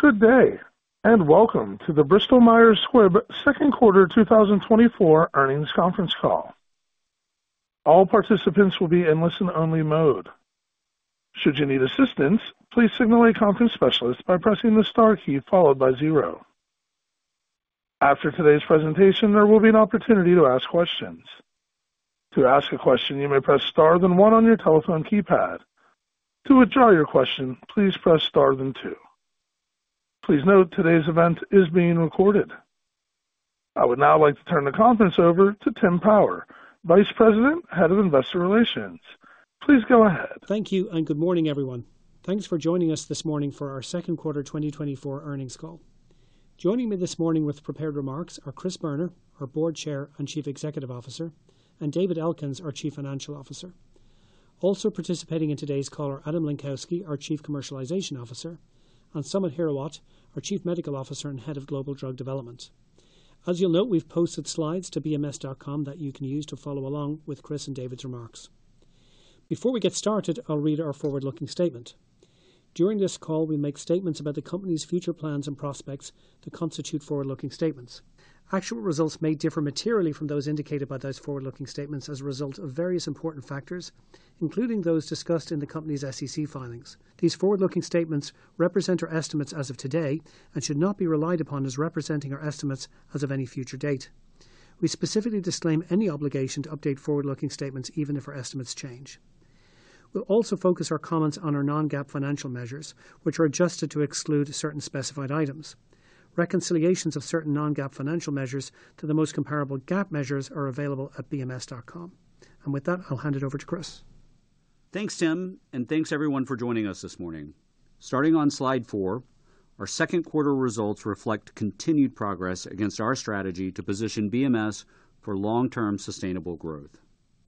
Good day, and welcome to the Bristol-Myers Squibb Q2 2024 earnings conference call. All participants will be in listen-only mode. Should you need assistance, please signal a conference specialist by pressing the star key followed by zero. After today's presentation, there will be an opportunity to ask questions. To ask a question, you may press star then one on your telephone keypad. To withdraw your question, please press star then two. Please note today's event is being recorded. I would now like to turn the conference over to Tim Power, Vice President, Head of Investor Relations. Please go ahead. Thank you, and good morning, everyone. Thanks for joining us this morning for our Q2 2024 earnings call. Joining me this morning with prepared remarks are Chris Boerner, our Board Chair and Chief Executive Officer, and David Elkins, our Chief Financial Officer. Also participating in today's call are Adam Lenkowsky, our Chief Commercialization Officer, and Samit Hirawat, our Chief Medical Officer and Head of Global Drug Development. As you'll note, we've posted slides to bms.com that you can use to follow along with Chris and David's remarks. Before we get started, I'll read our forward-looking statement. During this call, we make statements about the company's future plans and prospects that constitute forward-looking statements. Actual results may differ materially from those indicated by those forward-looking statements as a result of various important factors, including those discussed in the company's SEC filings. These forward-looking statements represent our estimates as of today and should not be relied upon as representing our estimates as of any future date. We specifically disclaim any obligation to update forward-looking statements even if our estimates change. We'll also focus our comments on our non-GAAP financial measures, which are adjusted to exclude certain specified items. Reconciliations of certain non-GAAP financial measures to the most comparable GAAP measures are available at bms.com. With that, I'll hand it over to Chris. Thanks, Tim, and thanks everyone for joining us this morning. Starting on slide 4, our Q2 results reflect continued progress against our strategy to position BMS for long-term sustainable growth.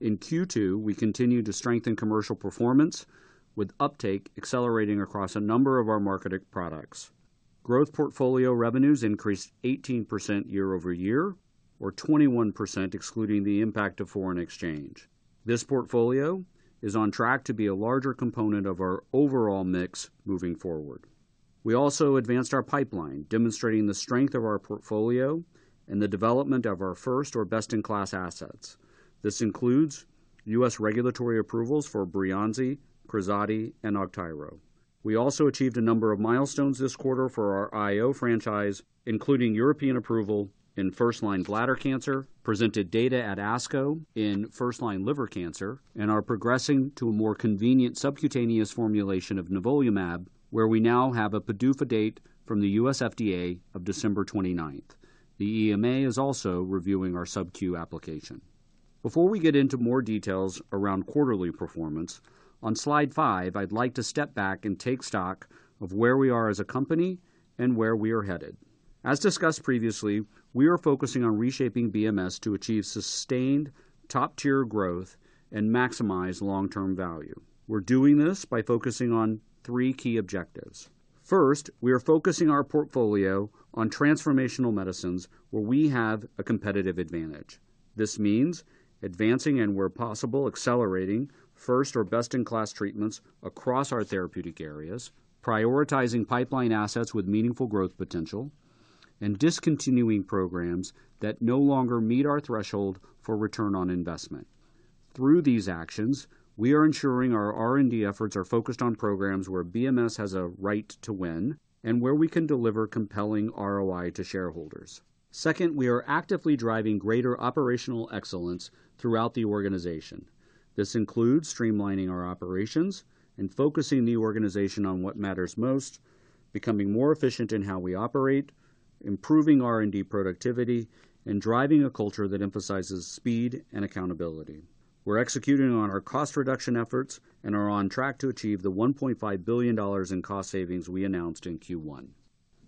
In Q2, we continued to strengthen commercial performance, with uptake accelerating across a number of our marketed products. Growth portfolio revenues increased 18% year-over-year, or 21% excluding the impact of foreign exchange. This portfolio is on track to be a larger component of our overall mix moving forward. We also advanced our pipeline, demonstrating the strength of our portfolio and the development of our first or best-in-class assets. This includes U.S. regulatory approvals for Breyanzi, Sotyktu, and Augtyro. We also achieved a number of milestones this quarter for our IO franchise, including European approval in first-line bladder cancer, presented data at ASCO in first-line liver cancer, and are progressing to a more convenient subcutaneous formulation of Nivolumab, where we now have a PDUFA date from the U.S. FDA of December 29th. The EMA is also reviewing our sub-Q application. Before we get into more details around quarterly performance, on slide five, I'd like to step back and take stock of where we are as a company and where we are headed. As discussed previously, we are focusing on reshaping BMS to achieve sustained top-tier growth and maximize long-term value. We're doing this by focusing on three key objectives. First, we are focusing our portfolio on transformational medicines where we have a competitive advantage. This means advancing and, where possible, accelerating first or best-in-class treatments across our therapeutic areas, prioritizing pipeline assets with meaningful growth potential, and discontinuing programs that no longer meet our threshold for return on investment. Through these actions, we are ensuring our R&D efforts are focused on programs where BMS has a right to win and where we can deliver compelling ROI to shareholders. Second, we are actively driving greater operational excellence throughout the organization. This includes streamlining our operations and focusing the organization on what matters most, becoming more efficient in how we operate, improving R&D productivity, and driving a culture that emphasizes speed and accountability. We're executing on our cost reduction efforts and are on track to achieve the $1.5 billion in cost savings we announced in Q1.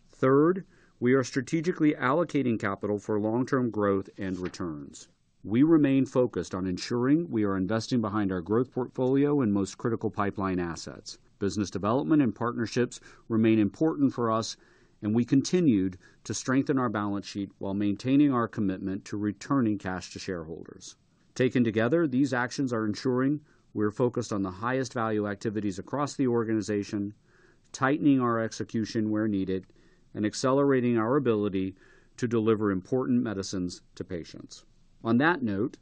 Third, we are strategically allocating capital for long-term growth and returns. We remain focused on ensuring we are investing behind our growth portfolio in most critical pipeline assets. Business development and partnerships remain important for us, and we continued to strengthen our balance sheet while maintaining our commitment to returning cash to shareholders. Taken together, these actions are ensuring we're focused on the highest value activities across the organization, tightening our execution where needed, and accelerating our ability to deliver important medicines to patients. On that note,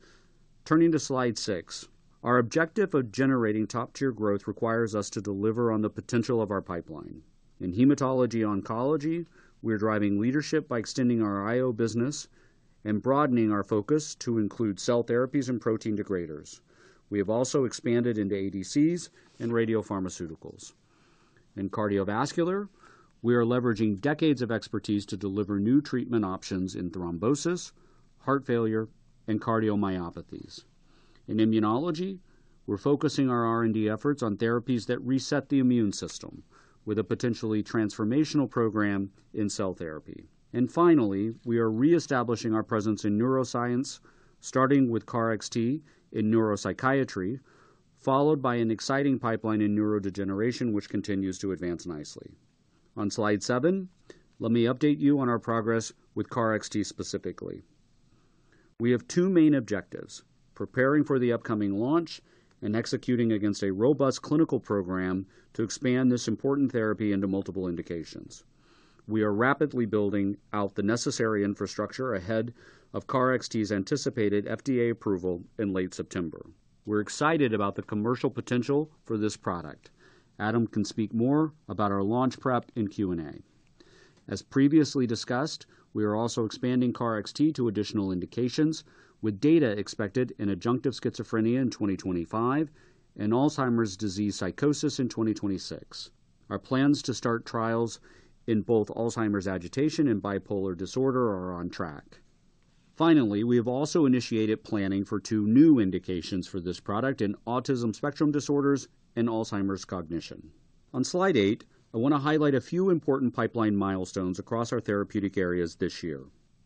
turning to slide 6, our objective of generating top-tier growth requires us to deliver on the potential of our pipeline. In hematology-oncology, we're driving leadership by extending our IO business and broadening our focus to include cell therapies and protein degraders. We have also expanded into ADCs and radiopharmaceuticals. In cardiovascular, we are leveraging decades of expertise to deliver new treatment options in thrombosis, heart failure, and cardiomyopathies. In immunology, we're focusing our R&D efforts on therapies that reset the immune system, with a potentially transformational program in cell therapy. Finally, we are reestablishing our presence in neuroscience, starting with KarXT in neuropsychiatry, followed by an exciting pipeline in neurodegeneration, which continues to advance nicely. On Slide 7, let me update you on our progress with KarXT specifically. We have 2 main objectives: preparing for the upcoming launch and executing against a robust clinical program to expand this important therapy into multiple indications. We are rapidly building out the necessary infrastructure ahead of KarXT's anticipated FDA approval in late September. We're excited about the commercial potential for this product. Adam can speak more about our launch prep in Q&A. As previously discussed, we are also expanding KarXT to additional indications, with data expected in adjunctive schizophrenia in 2025 and Alzheimer's disease psychosis in 2026. Our plans to start trials in both Alzheimer's agitation and bipolar disorder are on track. Finally, we have also initiated planning for two new indications for this product in autism spectrum disorders and Alzheimer's cognition. On slide 8, I want to highlight a few important pipeline milestones across our therapeutic areas this year.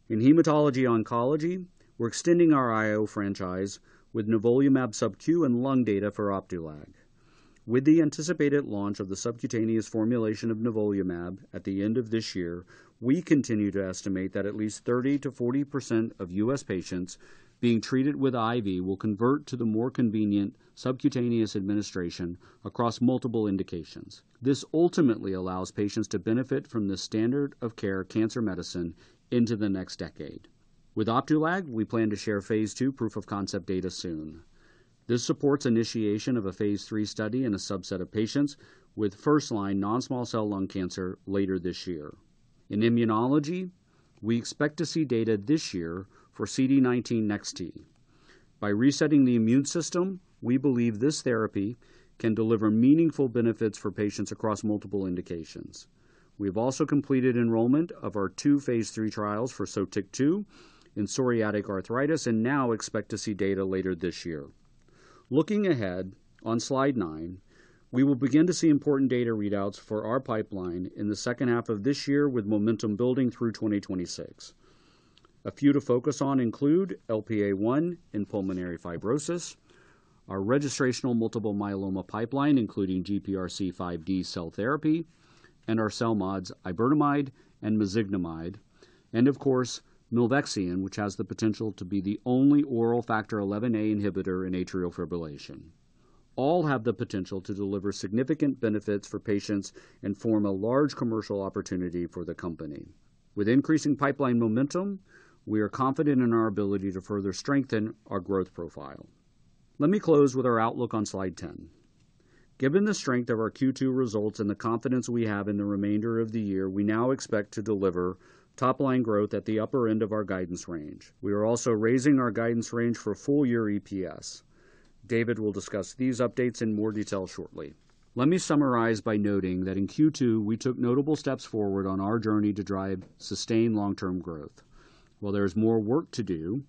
In hematology-oncology, we're extending our IO franchise with Nivolumab sub-Q and lung data for Opdulag. With the anticipated launch of the subcutaneous formulation of Nivolumab at the end of this year, we continue to estimate that at least 30% to 40% of U.S. patients being treated with IV will convert to the more convenient subcutaneous administration across multiple indications. This ultimately allows patients to benefit from the standard-of-care cancer medicine into the next decade. With Opdulag, we plan to share phase II proof-of-concept data soon. This supports initiation of a phase III study in a subset of patients with first-line non-small cell lung cancer later this year. In immunology, we expect to see data this year for CD19 NEX-T. By resetting the immune system, we believe this therapy can deliver meaningful benefits for patients across multiple indications. We have also completed enrollment of our two phase III trials for Sotyktu in psoriatic arthritis and now expect to see data later this year. Looking ahead, on slide 9, we will begin to see important data readouts for our pipeline in the second half of this year, with momentum building through 2026. A few to focus on include LPA1 in pulmonary fibrosis, our registrational multiple myeloma pipeline, including GPRC5D cell therapy, and our CELMoDs, Iberdomide and Mezigdomide, and of course, Milvexian, which has the potential to be the only oral Factor XIa inhibitor in atrial fibrillation. All have the potential to deliver significant benefits for patients and form a large commercial opportunity for the company. With increasing pipeline momentum, we are confident in our ability to further strengthen our growth profile. Let me close with our outlook on slide 10. Given the strength of our Q2 results and the confidence we have in the remainder of the year, we now expect to deliver top-line growth at the upper end of our guidance range. We are also raising our guidance range for full-year EPS. David will discuss these updates in more detail shortly. Let me summarize by noting that in Q2, we took notable steps forward on our journey to drive sustained long-term growth. While there is more work to do,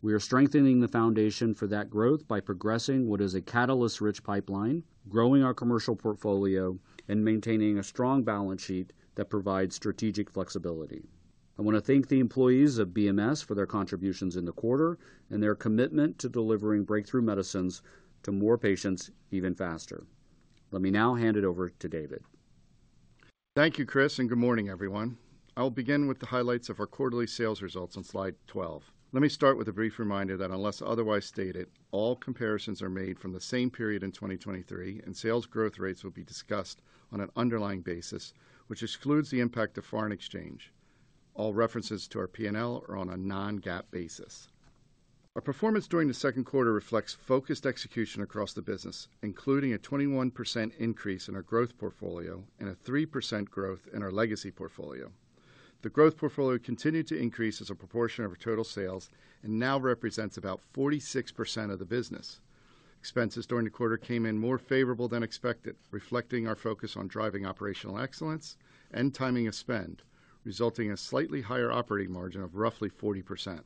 we are strengthening the foundation for that growth by progressing what is a catalyst-rich pipeline, growing our commercial portfolio, and maintaining a strong balance sheet that provides strategic flexibility. I want to thank the employees of BMS for their contributions in the quarter and their commitment to delivering breakthrough medicines to more patients even faster. Let me now hand it over to David. Thank you, Chris, and good morning, everyone. I'll begin with the highlights of our quarterly sales results on slide 12. Let me start with a brief reminder that unless otherwise stated, all comparisons are made from the same period in 2023, and sales growth rates will be discussed on an underlying basis, which excludes the impact of foreign exchange. All references to our P&L are on a Non-GAAP basis. Our performance during the Q2 reflects focused execution across the business, including a 21% increase in our growth portfolio and a 3% growth in our legacy portfolio. The growth portfolio continued to increase as a proportion of our total sales and now represents about 46% of the business. Expenses during the quarter came in more favorable than expected, reflecting our focus on driving operational excellence and timing of spend, resulting in a slightly higher operating margin of roughly 40%.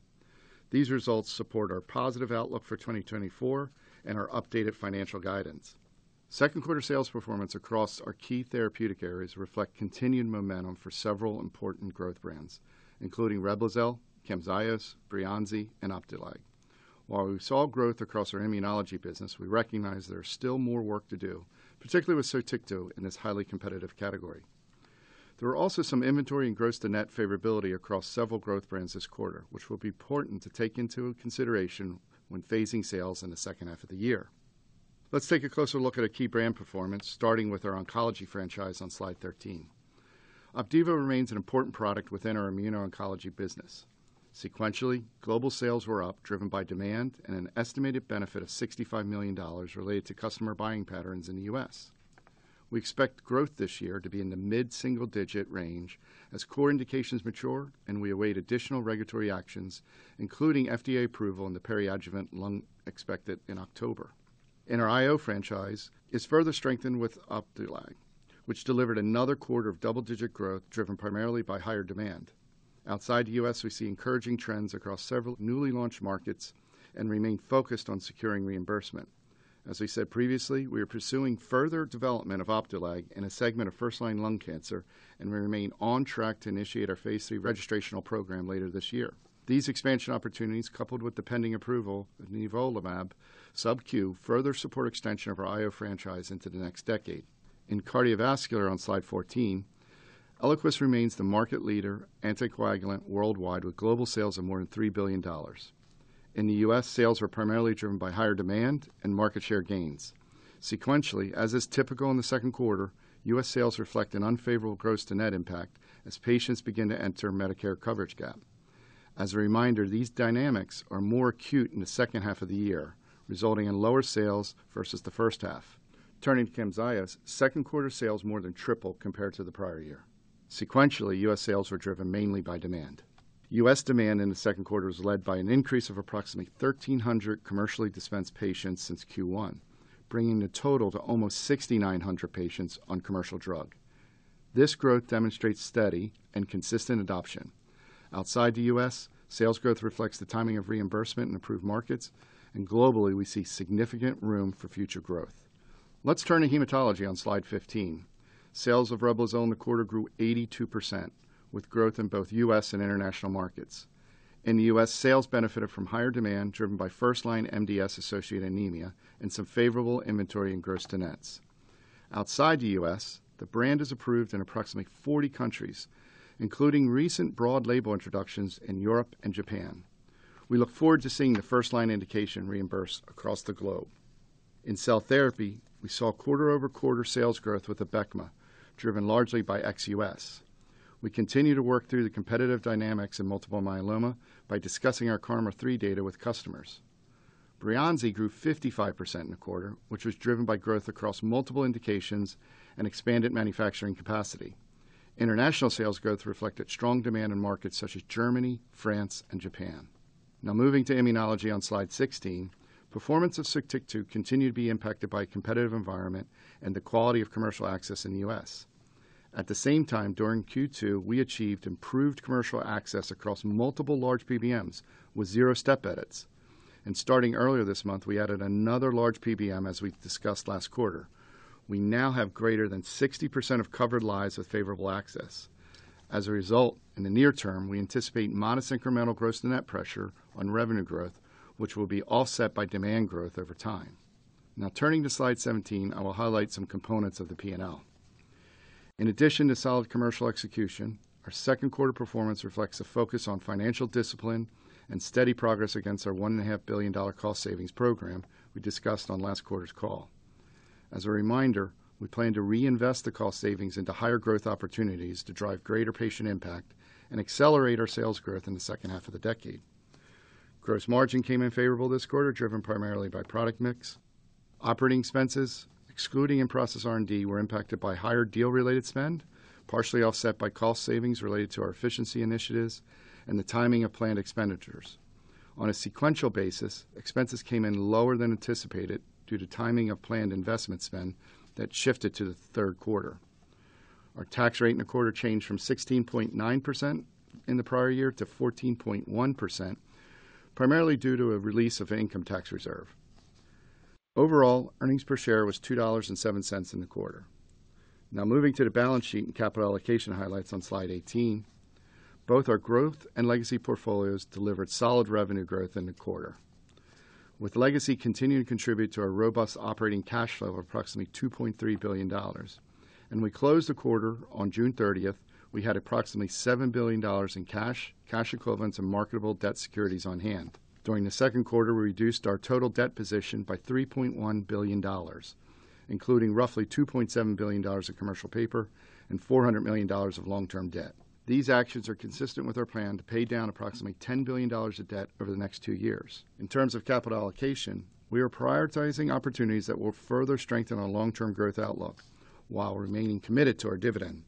These results support our positive outlook for 2024 and our updated financial guidance. Q2 sales performance across our key therapeutic areas reflects continued momentum for several important growth brands, including Reblozyl, Camzyos, Breyanzi, and Opdulag. While we saw growth across our immunology business, we recognize there is still more work to do, particularly with Sotyktu in this highly competitive category. There are also some inventory and gross to net favorability across several growth brands this quarter, which will be important to take into consideration when phasing sales in the second half of the year. Let's take a closer look at our key brand performance, starting with our oncology franchise on slide 13. Opdivo remains an important product within our immuno-oncology business. Sequentially, global sales were up, driven by demand and an estimated benefit of $65 million related to customer buying patterns in the U.S. We expect growth this year to be in the mid-single-digit range as core indications mature, and we await additional regulatory actions, including FDA approval and the periadjuvant lung expected in October. In our IO franchise, it's further strengthened with Opdulag, which delivered another quarter of double-digit growth, driven primarily by higher demand. Outside the U.S., we see encouraging trends across several newly launched markets and remain focused on securing reimbursement. As we said previously, we are pursuing further development of Opdulag in a segment of first-line lung cancer, and we remain on track to initiate our phase III registrational program later this year. These expansion opportunities, coupled with the pending approval of Nivolumab sub-Q, further support extension of our IO franchise into the next decade. In cardiovascular, on slide 14, Eliquis remains the market leader anticoagulant worldwide, with global sales of more than $3 billion. In the U.S., sales are primarily driven by higher demand and market share gains. Sequentially, as is typical in the Q2, U.S. sales reflect an unfavorable gross to net impact as patients begin to enter Medicare Coverage Gap. As a reminder, these dynamics are more acute in the second half of the year, resulting in lower sales versus the first half. Turning to Camzyos, Q2 sales more than tripled compared to the prior year. Sequentially, U.S. sales were driven mainly by demand. U.S. demand in the Q2 was led by an increase of approximately 1,300 commercially dispensed patients since Q1, bringing the total to almost 6,900 patients on commercial drug. This growth demonstrates steady and consistent adoption. Outside the U.S., sales growth reflects the timing of reimbursement and approved markets, and globally, we see significant room for future growth. Let's turn to hematology on slide 15. Sales of Reblozyl in the quarter grew 82%, with growth in both U.S. and international markets. In the U.S., sales benefited from higher demand driven by first-line MDS-associated anemia and some favorable inventory and gross to nets. Outside the U.S., the brand is approved in approximately 40 countries, including recent broad label introductions in Europe and Japan. We look forward to seeing the first-line indication reimbursed across the globe. In cell therapy, we saw quarter-over-quarter sales growth with Abecma, driven largely by ex-US. We continue to work through the competitive dynamics in multiple myeloma by discussing our KarMMa-3 data with customers. Breyanzi grew 55% in the quarter, which was driven by growth across multiple indications and expanded manufacturing capacity. International sales growth reflected strong demand in markets such as Germany, France, and Japan. Now moving to immunology on slide 16, performance of Sotyktu continued to be impacted by a competitive environment and the quality of commercial access in the U.S. At the same time, during Q2, we achieved improved commercial access across multiple large PBMs with zero step edits. Starting earlier this month, we added another large PBM, as we discussed last quarter. We now have greater than 60% of covered lives with favorable access. As a result, in the near term, we anticipate modest incremental gross to net pressure on revenue growth, which will be offset by demand growth over time. Now turning to slide 17, I will highlight some components of the P&L. In addition to solid commercial execution, our Q2 performance reflects a focus on financial discipline and steady progress against our $1.5 billion cost savings program we discussed on last quarter's call. As a reminder, we plan to reinvest the cost savings into higher growth opportunities to drive greater patient impact and accelerate our sales growth in the second half of the decade. Gross margin came in favorable this quarter, driven primarily by product mix. Operating expenses, excluding in-process R&D, were impacted by higher deal-related spend, partially offset by cost savings related to our efficiency initiatives and the timing of planned expenditures. On a sequential basis, expenses came in lower than anticipated due to timing of planned investment spend that shifted to the Q3. Our tax rate in the quarter changed from 16.9% in the prior year to 14.1%, primarily due to a release of income tax reserve. Overall, earnings per share was $2.07 in the quarter. Now moving to the balance sheet and capital allocation highlights on slide 18, both our growth and legacy portfolios delivered solid revenue growth in the quarter. With legacy continuing to contribute to our robust operating cash flow of approximately $2.3 billion, and we closed the quarter on June 30th, we had approximately $7 billion in cash, cash equivalents, and marketable debt securities on hand. During the Q2, we reduced our total debt position by $3.1 billion, including roughly $2.7 billion of commercial paper and $400 million of long-term debt. These actions are consistent with our plan to pay down approximately $10 billion of debt over the next two years. In terms of capital allocation, we are prioritizing opportunities that will further strengthen our long-term growth outlook while remaining committed to our dividend.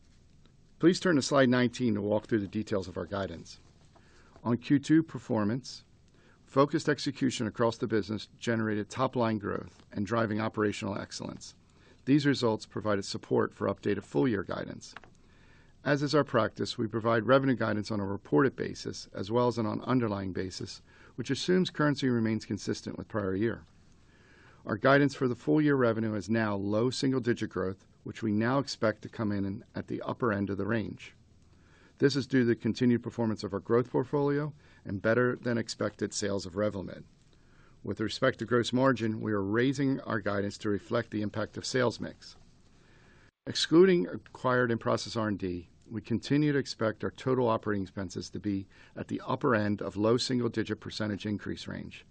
Please turn to slide 19 to walk through the details of our guidance. On Q2 performance, focused execution across the business generated top-line growth and driving operational excellence. These results provided support for updated full-year guidance. As is our practice, we provide revenue guidance on a reported basis as well as an underlying basis, which assumes currency remains consistent with prior year. Our guidance for the full-year revenue is now low single-digit growth, which we now expect to come in at the upper end of the range. This is due to the continued performance of our growth portfolio and better-than-expected sales of Revlimid. With respect to gross margin, we are raising our guidance to reflect the impact of sales mix. Excluding acquired in-process R&D, we continue to expect our total operating expenses to be at the upper end of low single-digit percentage increase range.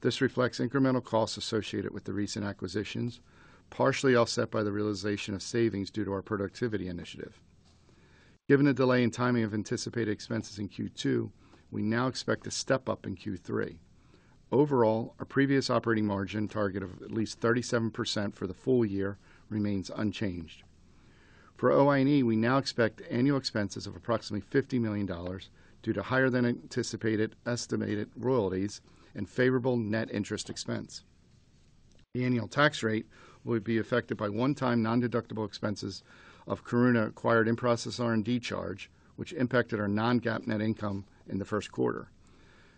This reflects incremental costs associated with the recent acquisitions, partially offset by the realization of savings due to our productivity initiative. Given the delay in timing of anticipated expenses in Q2, we now expect a step up in Q3. Overall, our previous operating margin target of at least 37% for the full year remains unchanged. For OI&E, we now expect annual expenses of approximately $50 million due to higher-than-anticipated estimated royalties and favorable net interest expense. The annual tax rate will be affected by one-time non-deductible expenses of Karuna-acquired in-process R&D charge, which impacted our non-GAAP net income in the Q1.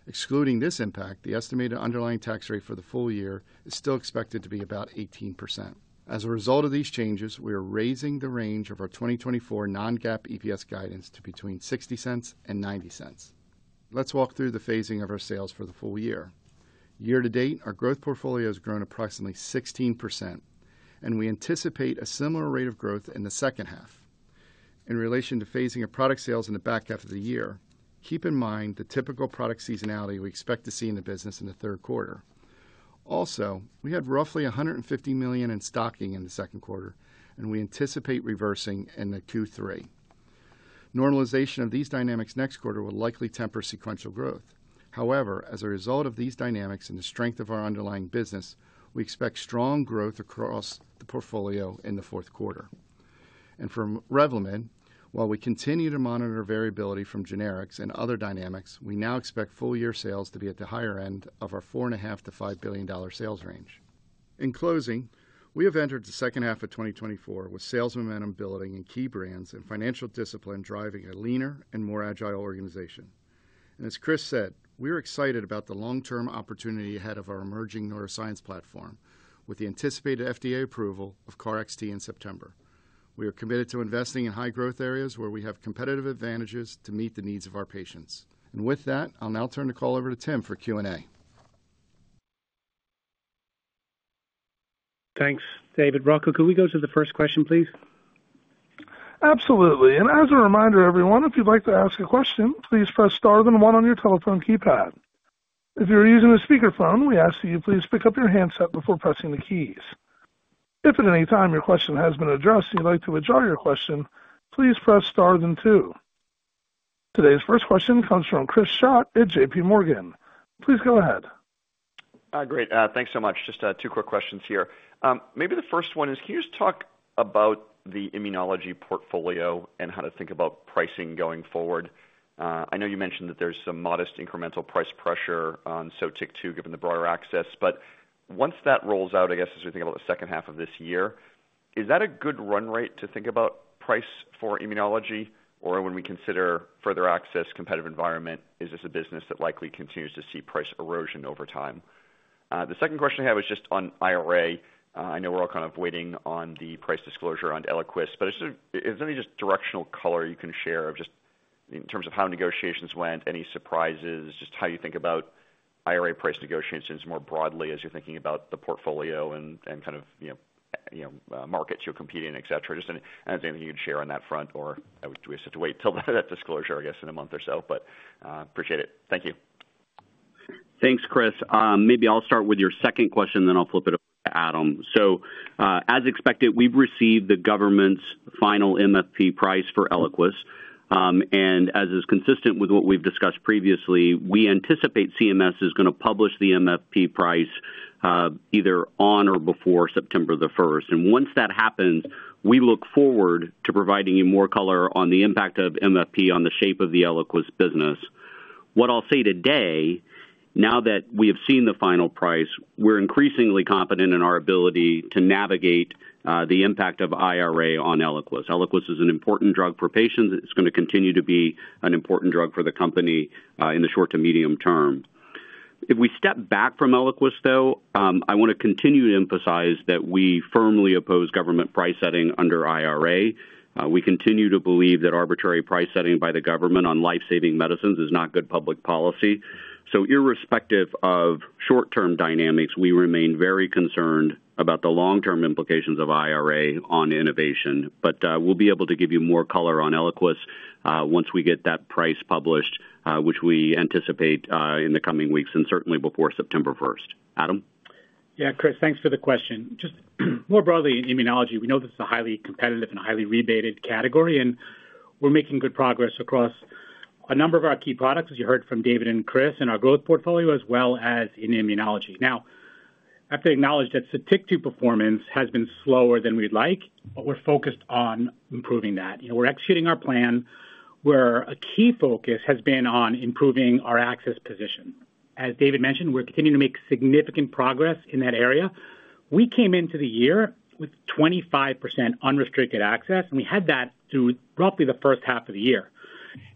Excluding this impact, the estimated underlying tax rate for the full year is still expected to be about 18%. As a result of these changes, we are raising the range of our 2024 non-GAAP EPS guidance to between $0.60 and $0.90. Let's walk through the phasing of our sales for the full year. Year to date, our growth portfolio has grown approximately 16%, and we anticipate a similar rate of growth in the second half. In relation to phasing of product sales in the back half of the year, keep in mind the typical product seasonality we expect to see in the business in the Q3. Also, we had roughly $150 million in stocking in the Q2, and we anticipate reversing in Q3. Normalization of these dynamics next quarter will likely temper sequential growth. However, as a result of these dynamics and the strength of our underlying business, we expect strong growth across the portfolio in the Q4. For Revlimid, while we continue to monitor variability from generics and other dynamics, we now expect full-year sales to be at the higher end of our $4.5 billion to 5 billion sales range. In closing, we have entered the second half of 2024 with sales momentum building in key brands and financial discipline driving a leaner and more agile organization. As Chris said, we are excited about the long-term opportunity ahead of our emerging neuroscience platform with the anticipated FDA approval of KarXT in September. We are committed to investing in high-growth areas where we have competitive advantages to meet the needs of our patients. And with that, I'll now turn the call over to Tim for Q&A. Thanks, David. Rocco. Could we go to the first question, please? Absolutely. And as a reminder, everyone, if you'd like to ask a question, please press star then one on your telephone keypad. If you're using a speakerphone, we ask that you please pick up your handset before pressing the keys. If at any time your question has been addressed and you'd like to withdraw your question, please press star then two. Today's first question comes from Chris Schott at J.P. Morgan. Please go ahead. Hi, great. Thanks so much. Just two quick questions here. Maybe the first one is, can you just talk about the immunology portfolio and how to think about pricing going forward? I know you mentioned that there's some modest incremental price pressure on Sotyktu given the broader access, but once that rolls out, I guess as we think about the second half of this year, is that a good run rate to think about price for immunology? Or when we consider further access, competitive environment, is this a business that likely continues to see price erosion over time? The second question I have is just on IRA. I know we're all kind of waiting on the price disclosure on Eliquis, but is there any just directional color you can share of just in terms of how negotiations went, any surprises, just how you think about IRA price negotiations more broadly as you're thinking about the portfolio and kind of markets you're competing, et cetera? Just anything you can share on that front, or do we still have to wait until that disclosure, I guess, in a month or so? But appreciate it. Thank you. Thanks, Chris. Maybe I'll start with your second question, then I'll flip it over to Adam. So as expected, we've received the government's final MFP price for Eliquis. And as is consistent with what we've discussed previously, we anticipate CMS is going to publish the MFP price either on or before September 1st. And once that happens, we look forward to providing you more color on the impact of MFP on the shape of the Eliquis business. What I'll say today, now that we have seen the final price, we're increasingly confident in our ability to navigate the impact of IRA on Eliquis. Eliquis is an important drug for patients. It's going to continue to be an important drug for the company in the short to medium term. If we step back from Eliquis, though, I want to continue to emphasize that we firmly oppose government price setting under IRA. We continue to believe that arbitrary price setting by the government on life-saving medicines is not good public policy. So irrespective of short-term dynamics, we remain very concerned about the long-term implications of IRA on innovation. But we'll be able to give you more color on Eliquis once we get that price published, which we anticipate in the coming weeks and certainly before September 1st. Adam? Yeah, Chris, thanks for the question. Just more broadly, in immunology, we know this is a highly competitive and highly rebated category, and we're making good progress across a number of our key products, as you heard from David and Chris, in our growth portfolio as well as in immunology. Now, I have to acknowledge that Sotyktu performance has been slower than we'd like, but we're focused on improving that. We're executing our plan where a key focus has been on improving our access position. As David mentioned, we're continuing to make significant progress in that area. We came into the year with 25% unrestricted access, and we had that through roughly the first half of the year.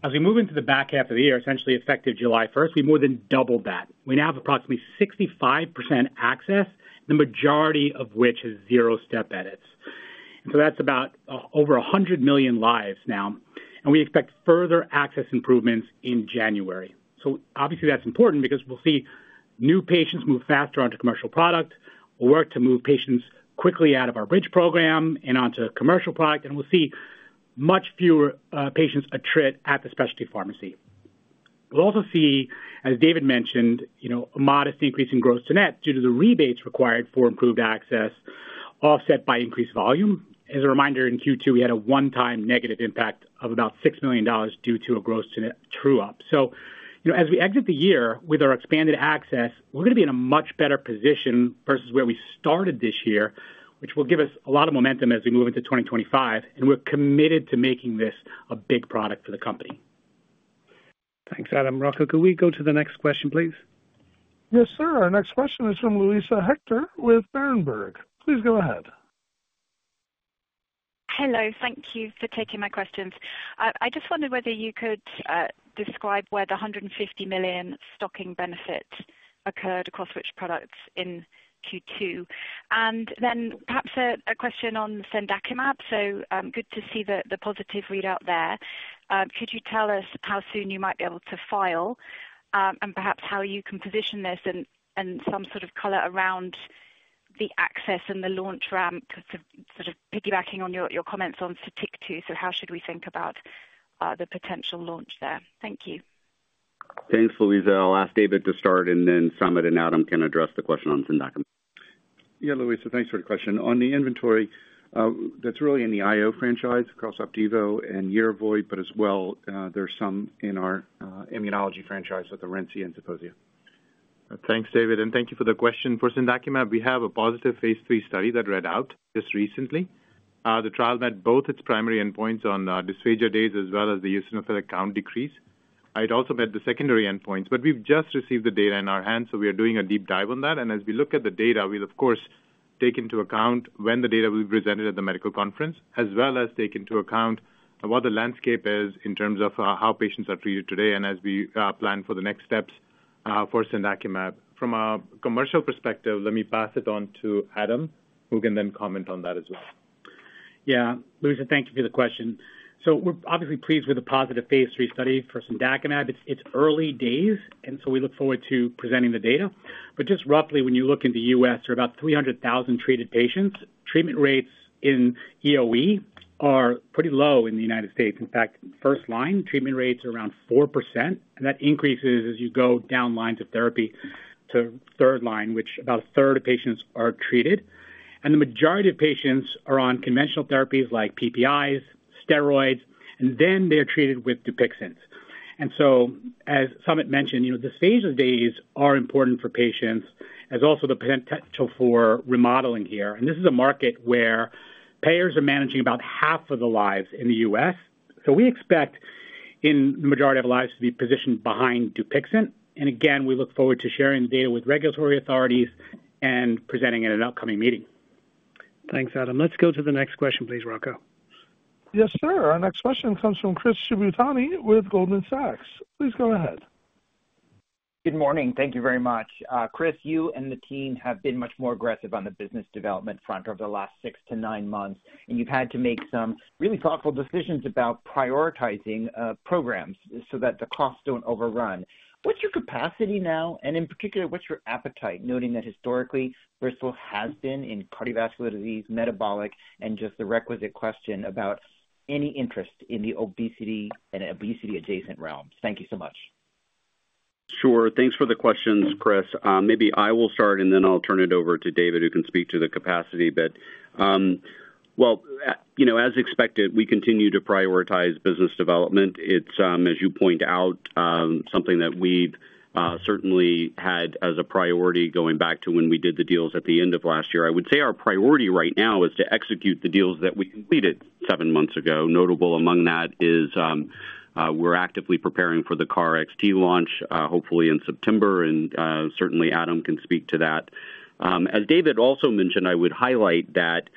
As we move into the back half of the year, essentially effective July 1st, we more than doubled that. We now have approximately 65% access, the majority of which is zero step edits. That's about over 100 million lives now. We expect further access improvements in January. Obviously, that's important because we'll see new patients move faster onto commercial product. We'll work to move patients quickly out of our bridge program and onto commercial product, and we'll see much fewer patients attrit at the specialty pharmacy. We'll also see, as David mentioned, a modest increase in gross to net due to the rebates required for improved access offset by increased volume. As a reminder, in Q2, we had a one-time negative impact of about $6 million due to a gross to net true-up. As we exit the year with our expanded access, we're going to be in a much better position versus where we started this year, which will give us a lot of momentum as we move into 2025. We're committed to making this a big product for the company. Thanks, Adam. Rocco, could we go to the next question, please? Yes, sir. Our next question is from Luisa Hector with Berenberg. Please go ahead. Hello. Thank you for taking my questions. I just wondered whether you could describe where the $150 million stocking benefit occurred across which products in Q2. And then perhaps a question on Cendakimab. So good to see the positive readout there. Could you tell us how soon you might be able to file and perhaps how you can position this and some sort of color around the access and the launch ramp, sort of piggybacking on your comments on Sotyktu? So how should we think about the potential launch there? Thank you. Thanks, Louisa. I'll ask David to start, and then Samit and Adam can address the question on Cendakimab. Yeah, Louisa, thanks for the question. On the inventory, that's really in the IO franchise across Opdivo and Yervoy, but as well, there's some in our immunology franchise with Orencia and Zeposia. Thanks, David. And thank you for the question. For Cendakimab, we have a positive phase III study that read out just recently. The trial met both its primary endpoints on dysphagia days as well as the eosinophilic count decrease. It also met the secondary endpoints, but we've just received the data in our hands, so we are doing a deep dive on that. And as we look at the data, we'll, of course, take into account when the data will be presented at the medical conference, as well as take into account what the landscape is in terms of how patients are treated today and as we plan for the next steps for Cendakimab. From a commercial perspective, let me pass it on to Adam, who can then comment on that as well. Yeah, Louisa, thank you for the question. So we're obviously pleased with the positive phase III study for Cendakimab. It's early days, and so we look forward to presenting the data. But just roughly, when you look in the U.S., there are about 300,000 treated patients. Treatment rates in EOE are pretty low in the United States. In fact, first-line, treatment rates are around 4%, and that increases as you go down lines of therapy to third-line, which about a third of patients are treated. And the majority of patients are on conventional therapies like PPIs, steroids, and then they are treated with Dupixent. And so, as Samit mentioned, dysphagia days are important for patients as also the potential for remodeling here. And this is a market where payers are managing about half of the lives in the U.S. We expect the majority of lives to be positioned behind Dupixent. Again, we look forward to sharing the data with regulatory authorities and presenting it at an upcoming meeting. Thanks, Adam. Let's go to the next question, please, Rocco. Yes, sir. Our next question comes from Chris Shibutani with Goldman Sachs. Please go ahead. Good morning. Thank you very much. Chris, you and the team have been much more aggressive on the business development front over the last 6 to 9 months, and you've had to make some really thoughtful decisions about prioritizing programs so that the costs don't overrun. What's your capacity now, and in particular, what's your appetite, noting that historically Bristol has been in cardiovascular disease, metabolic, and just the requisite question about any interest in the obesity and obesity-adjacent realms? Thank you so much. Sure. Thanks for the questions, Chris. Maybe I will start, and then I'll turn it over to David, who can speak to the capacity. But, well, as expected, we continue to prioritize business development. It's, as you point out, something that we've certainly had as a priority going back to when we did the deals at the end of last year. I would say our priority right now is to execute the deals that we completed 7 months ago. Notable among that is we're actively preparing for the KarXT launch, hopefully in September, and certainly Adam can speak to that. As David also mentioned, I would highlight that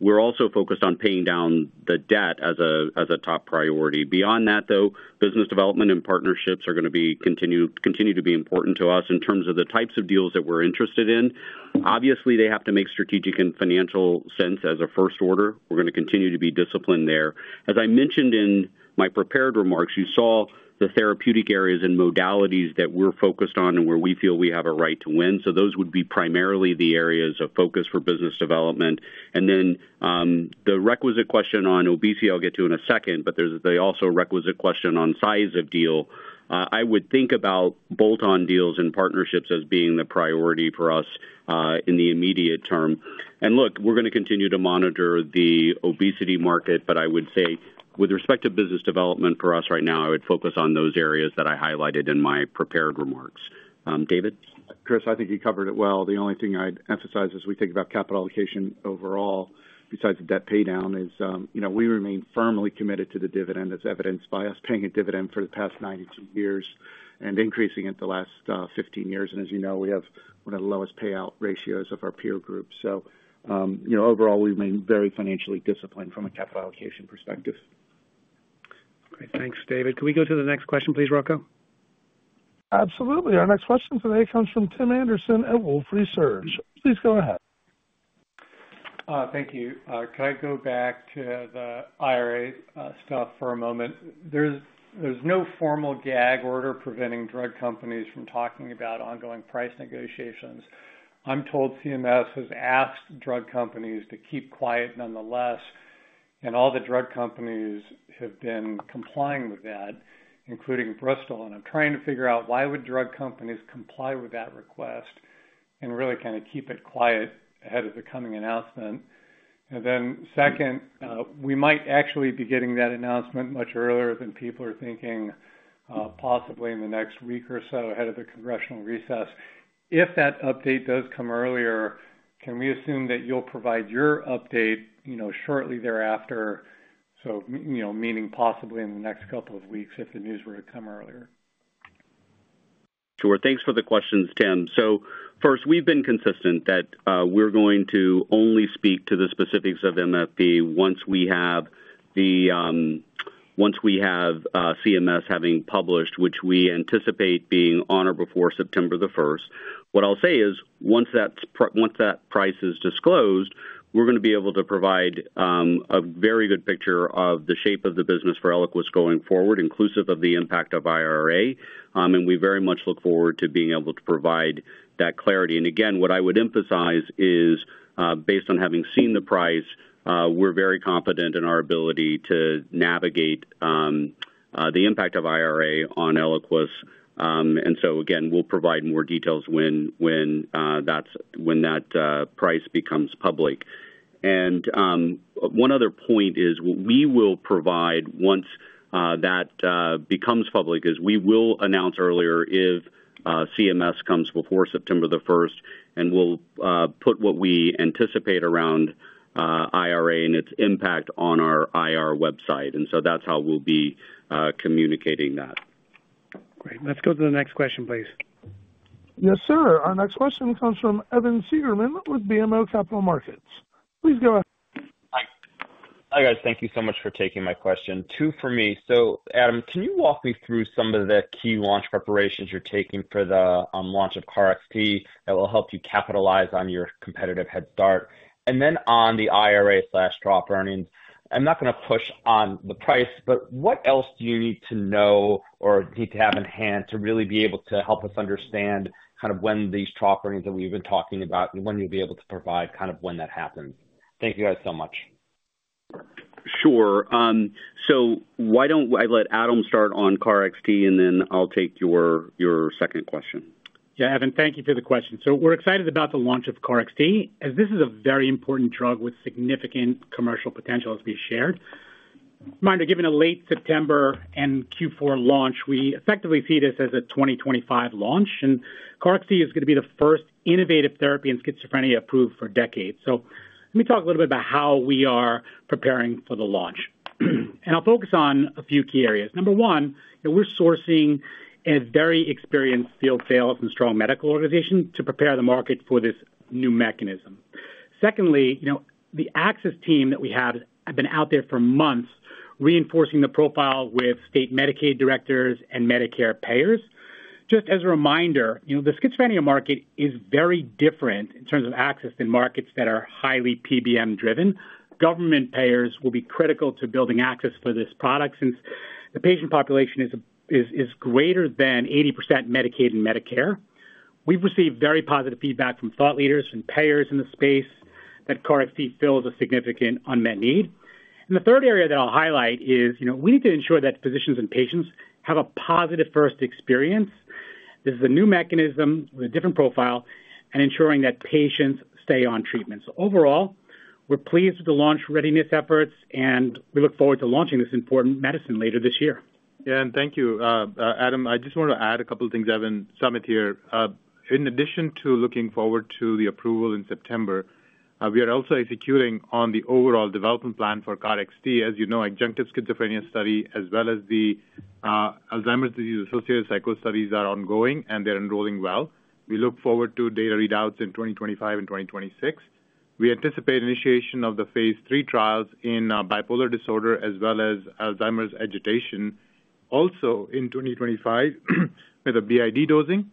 we're also focused on paying down the debt as a top priority. Beyond that, though, business development and partnerships are going to continue to be important to us in terms of the types of deals that we're interested in. Obviously, they have to make strategic and financial sense as a first order. We're going to continue to be disciplined there. As I mentioned in my prepared remarks, you saw the therapeutic areas and modalities that we're focused on and where we feel we have a right to win. So those would be primarily the areas of focus for business development. And then the requisite question on obesity, I'll get to in a second, but there's also a requisite question on size of deal. I would think about bolt-on deals and partnerships as being the priority for us in the immediate term. And look, we're going to continue to monitor the obesity market, but I would say with respect to business development for us right now, I would focus on those areas that I highlighted in my prepared remarks. David? Chris, I think you covered it well. The only thing I'd emphasize as we think about capital allocation overall, besides the debt paydown, is we remain firmly committed to the dividend, as evidenced by us paying a dividend for the past 92 years and increasing it the last 15 years. As you know, we have one of the lowest payout ratios of our peer group. Overall, we remain very financially disciplined from a capital allocation perspective. Okay. Thanks, David. Could we go to the next question, please, Rocco? Absolutely. Our next question today comes from Tim Anderson at Wolfe Research. Please go ahead. Thank you. Could I go back to the IRA stuff for a moment? There's no formal gag order preventing drug companies from talking about ongoing price negotiations. I'm told CMS has asked drug companies to keep quiet nonetheless, and all the drug companies have been complying with that, including Bristol. I'm trying to figure out why would drug companies comply with that request and really kind of keep it quiet ahead of the coming announcement. Then second, we might actually be getting that announcement much earlier than people are thinking, possibly in the next week or so ahead of the congressional recess. If that update does come earlier, can we assume that you'll provide your update shortly thereafter? Meaning possibly in the next couple of weeks if the news were to come earlier. Sure. Thanks for the questions, Tim. So first, we've been consistent that we're going to only speak to the specifics of MFP once we have CMS having published, which we anticipate being on or before September the 1st. What I'll say is once that price is disclosed, we're going to be able to provide a very good picture of the shape of the business for Eliquis going forward, inclusive of the impact of IRA. And we very much look forward to being able to provide that clarity. And again, what I would emphasize is based on having seen the price, we're very confident in our ability to navigate the impact of IRA on Eliquis. And so again, we'll provide more details when that price becomes public. One other point is what we will provide once that becomes public is we will announce earlier if CMS comes before September the 1st, and we'll put what we anticipate around IRA and its impact on our IR website. And so that's how we'll be communicating that. Great. Let's go to the next question, please. Yes, sir. Our next question comes from Evan Seigerman with BMO Capital Markets. Please go ahead. Hi, guys. Thank you so much for taking my question. Two for me. So Adam, can you walk me through some of the key launch preparations you're taking for the launch of KarXT that will help you capitalize on your competitive head start? And then on the IRA, trough earnings, I'm not going to push on the price, but what else do you need to know or need to have in hand to really be able to help us understand kind of when these trough earnings that we've been talking about, when you'll be able to provide kind of when that happens? Thank you guys so much. Sure. So why don't I let Adam Lenkowsky start on KarXT, and then I'll take your second question. Yeah, Evan, thank you for the question. So we're excited about the launch of KarXT, as this is a very important drug with significant commercial potential, as we shared. Reminder, given a late September and Q4 launch, we effectively see this as a 2025 launch. And KarXT is going to be the first innovative therapy in schizophrenia approved for decades. So let me talk a little bit about how we are preparing for the launch. And I'll focus on a few key areas. Number one, we're sourcing a very experienced field sales and strong medical organization to prepare the market for this new mechanism. Secondly, the access team that we have has been out there for months reinforcing the profile with state Medicaid directors and Medicare payers. Just as a reminder, the schizophrenia market is very different in terms of access than markets that are highly PBM-driven. Government payers will be critical to building access for this product since the patient population is greater than 80% Medicaid and Medicare. We've received very positive feedback from thought leaders and payers in the space that KarXT fills a significant unmet need. The third area that I'll highlight is we need to ensure that physicians and patients have a positive first experience. This is a new mechanism with a different profile and ensuring that patients stay on treatment. Overall, we're pleased with the launch readiness efforts, and we look forward to launching this important medicine later this year. Yeah, and thank you. Adam, I just want to add a couple of things, Evan. Samit here. In addition to looking forward to the approval in September, we are also executing on the overall development plan for KarXT. As you know, adjunctive schizophrenia study, as well as the Alzheimer's Disease Associated Psychosis studies, are ongoing, and they're enrolling well. We look forward to data readouts in 2025 and 2026. We anticipate initiation of the phase III trials in bipolar disorder, as well as Alzheimer's agitation, also in 2025 with a BID dosing,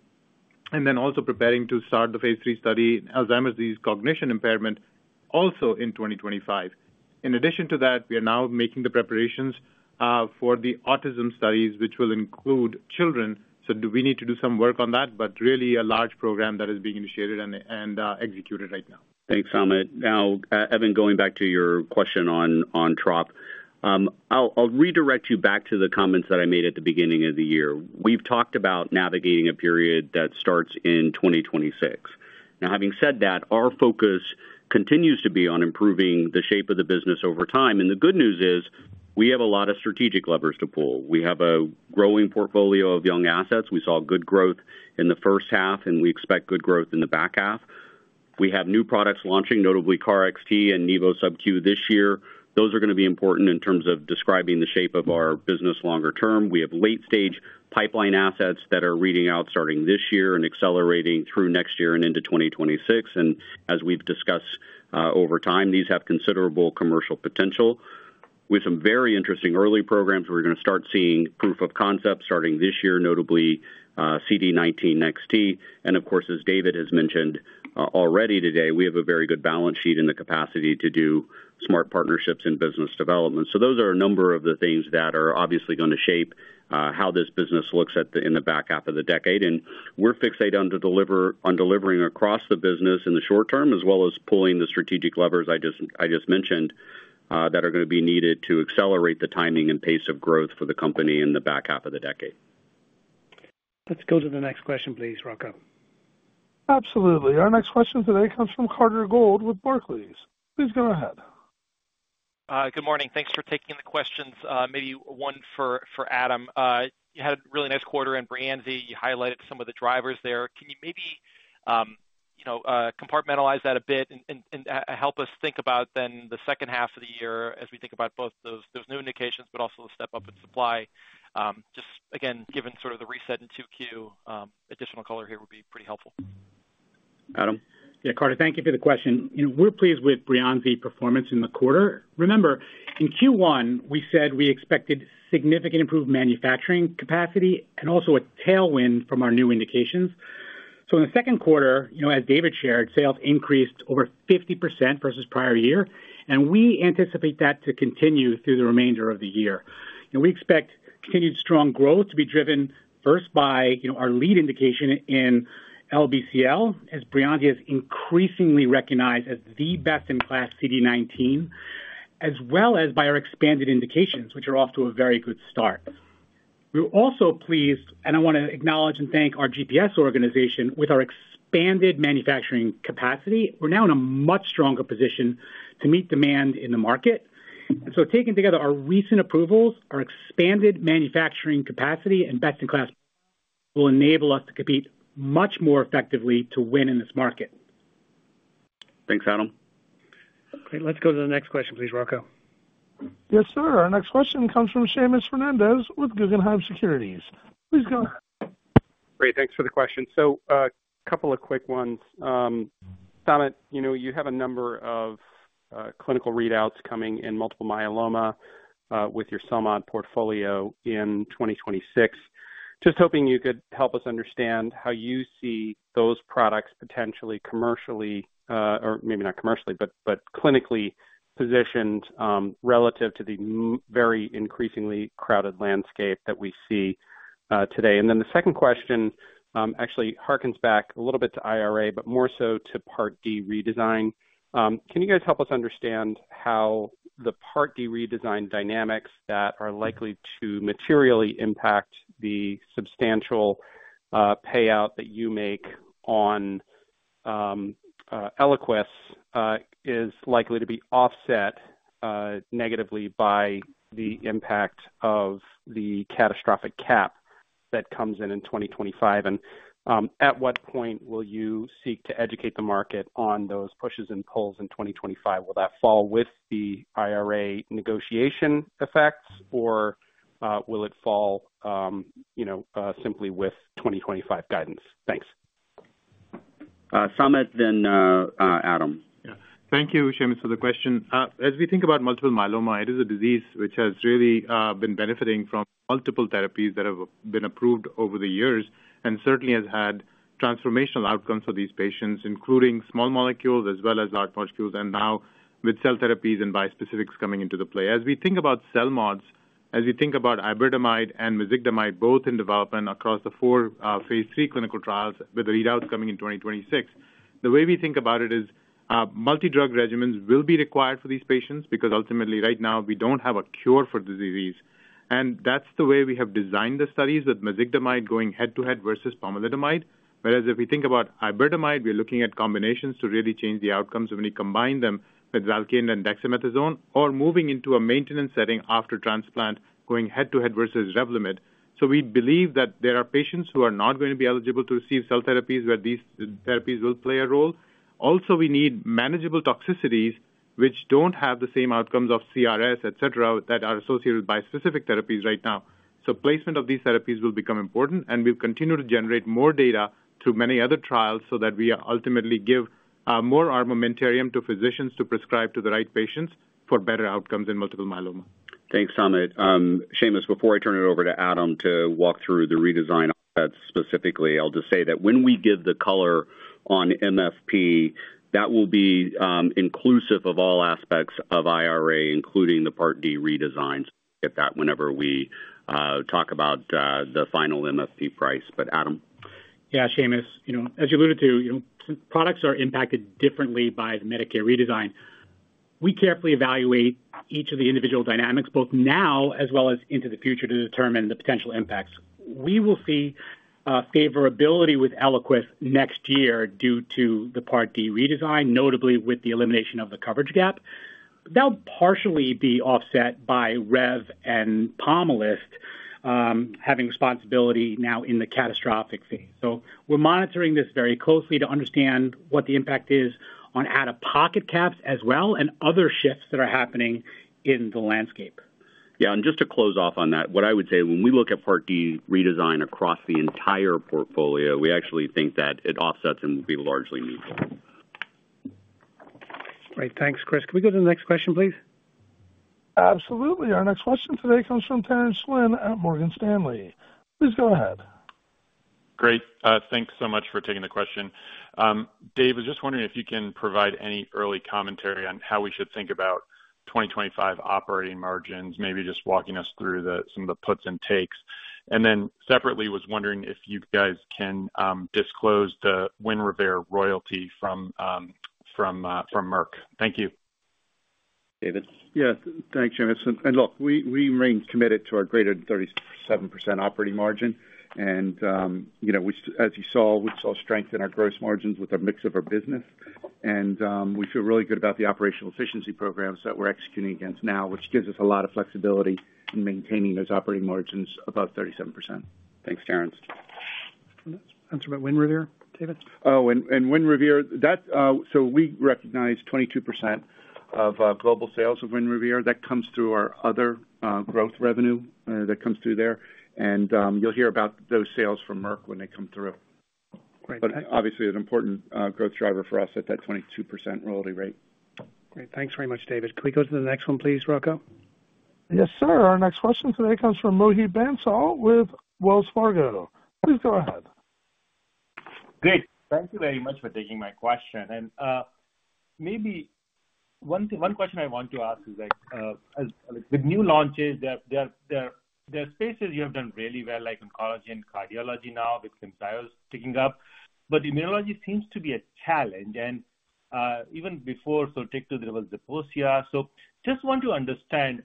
and then also preparing to start the phase III study in Alzheimer's Disease Cognitive Impairment, also in 2025. In addition to that, we are now making the preparations for the autism studies, which will include children. So we need to do some work on that, but really a large program that is being initiated and executed right now. Thanks, Samit. Now, Evan, going back to your question on trough, I'll redirect you back to the comments that I made at the beginning of the year. We've talked about navigating a period that starts in 2026. Now, having said that, our focus continues to be on improving the shape of the business over time. And the good news is we have a lot of strategic levers to pull. We have a growing portfolio of young assets. We saw good growth in the first half, and we expect good growth in the back half. We have new products launching, notably KarXT and Opdivo SubQ this year. Those are going to be important in terms of describing the shape of our business longer term. We have late-stage pipeline assets that are reading out starting this year and accelerating through next year and into 2026. As we've discussed over time, these have considerable commercial potential. We have some very interesting early programs. We're going to start seeing proof of concept starting this year, notably CD19 NEX-T. Of course, as David has mentioned already today, we have a very good balance sheet and the capacity to do smart partnerships and business development. Those are a number of the things that are obviously going to shape how this business looks in the back half of the decade. We're fixated on delivering across the business in the short term, as well as pulling the strategic levers I just mentioned that are going to be needed to accelerate the timing and pace of growth for the company in the back half of the decade. Let's go to the next question, please, Rocco. Absolutely. Our next question today comes from Carter Gould with Barclays. Please go ahead. Good morning. Thanks for taking the questions. Maybe one for Adam. You had a really nice quarter in Breyanzi. You highlighted some of the drivers there. Can you maybe compartmentalize that a bit and help us think about then the second half of the year as we think about both those new indications, but also the step-up in supply? Just again, given sort of the reset in Q2, additional color here would be pretty helpful. Adam. Yeah, Carter, thank you for the question. We're pleased with Breyanzi performance in the quarter. Remember, in Q1, we said we expected significant improved manufacturing capacity and also a tailwind from our new indications. So in the Q2, as David shared, sales increased over 50% versus prior year, and we anticipate that to continue through the remainder of the year. We expect continued strong growth to be driven first by our lead indication in LBCL, as Breyanzi is increasingly recognized as the best-in-class CD19, as well as by our expanded indications, which are off to a very good start. We're also pleased, and I want to acknowledge and thank our GPS organization with our expanded manufacturing capacity. We're now in a much stronger position to meet demand in the market. And so taking together our recent approvals, our expanded manufacturing capacity and best-in-class will enable us to compete much more effectively to win in this market. Thanks, Adam. Great. Let's go to the next question, please, Rocco. Yes, sir. Our next question comes from Seamus Fernandez with Guggenheim Securities. Please go ahead. Great. Thanks for the question. So a couple of quick ones. Samit, you have a number of clinical readouts coming in multiple myeloma with your CELMoD portfolio in 2026. Just hoping you could help us understand how you see those products potentially commercially, or maybe not commercially, but clinically positioned relative to the very increasingly crowded landscape that we see today. And then the second question actually hearkens back a little bit to IRA, but more so to Part D redesign. Can you guys help us understand how the Part D redesign dynamics that are likely to materially impact the substantial payout that you make on Eliquis is likely to be offset negatively by the impact of the catastrophic cap that comes in in 2025? And at what point will you seek to educate the market on those pushes and pulls in 2025? Will that fall with the IRA negotiation effects, or will it fall simply with 2025 guidance? Thanks. Samit, then Adam. Yeah. Thank you, Seamus, for the question. As we think about multiple myeloma, it is a disease which has really been benefiting from multiple therapies that have been approved over the years and certainly has had transformational outcomes for these patients, including small molecules as well as large molecules, and now with cell therapies and bispecifics coming into the play. As we think about cell mods, as we think about Iberdomide and mezigdomide, both in development across the four phase III clinical trials with the readouts coming in 2026, the way we think about it is multi-drug regimens will be required for these patients because ultimately right now we don't have a cure for the disease. And that's the way we have designed the studies with mezigdomide going head-to-head versus pomalidomide. Whereas if we think about Iberdomide, we're looking at combinations to really change the outcomes when we combine them with Velcade and dexamethasone or moving into a maintenance setting after transplant going head-to-head versus Revlimid. So we believe that there are patients who are not going to be eligible to receive cell therapies where these therapies will play a role. Also, we need manageable toxicities which don't have the same outcomes of CRS, etc., that are associated with bispecific therapies right now. So placement of these therapies will become important, and we'll continue to generate more data through many other trials so that we ultimately give more armamentarium to physicians to prescribe to the right patients for better outcomes in multiple myeloma. Thanks, Samit. Seamus, before I turn it over to Adam to walk through the redesign on that specifically, I'll just say that when we give the color on MFP, that will be inclusive of all aspects of IRA, including the Part D redesigns. We'll get that whenever we talk about the final MFP price. But Adam. Yeah, Seamus, as you alluded to, products are impacted differently by the Medicare redesign. We carefully evaluate each of the individual dynamics, both now as well as into the future to determine the potential impacts. We will see favorability with Eliquis next year due to the Part D redesign, notably with the elimination of the coverage gap. That'll partially be offset by Rev and Pomalyst having responsibility now in the catastrophic phase. So we're monitoring this very closely to understand what the impact is on out-of-pocket caps as well and other shifts that are happening in the landscape. Yeah. Just to close off on that, what I would say, when we look at Part D redesign across the entire portfolio, we actually think that it offsets and will be largely neutral. Great. Thanks, Chris. Can we go to the next question, please? Absolutely. Our next question today comes from Terence Flynn at Morgan Stanley. Please go ahead. Great. Thanks so much for taking the question. Dave, I was just wondering if you can provide any early commentary on how we should think about 2025 operating margins, maybe just walking us through some of the puts and takes. And then separately, I was wondering if you guys can disclose the Winrevair royalty from Merck. Thank you. David. Yeah. Thanks, Seamus. And look, we remain committed to our greater than 37% operating margin. And as you saw, we saw strength in our gross margins with a mix of our business. And we feel really good about the operational efficiency programs that we're executing against now, which gives us a lot of flexibility in maintaining those operating margins above 37%. Thanks, Terrence. Answer about Winrevair, David? Oh, and Winrevair, so we recognize 22% of global sales of Winrevair. That comes through our other growth revenue that comes through there. And you'll hear about those sales from Merck when they come through. But obviously, an important growth driver for us at that 22% royalty rate. Great. Thanks very much, David. Can we go to the next one, please, Rocco? Yes, sir. Our next question today comes from Mohit Bansal with Wells Fargo. Please go ahead. Great. Thank you very much for taking my question. And maybe one question I want to ask is, with new launches, there are spaces you have done really well, like oncology and cardiology now with Camzyos picking up. But immunology seems to be a challenge. And even before, Sotyktu, there was Zeposia. So just want to understand,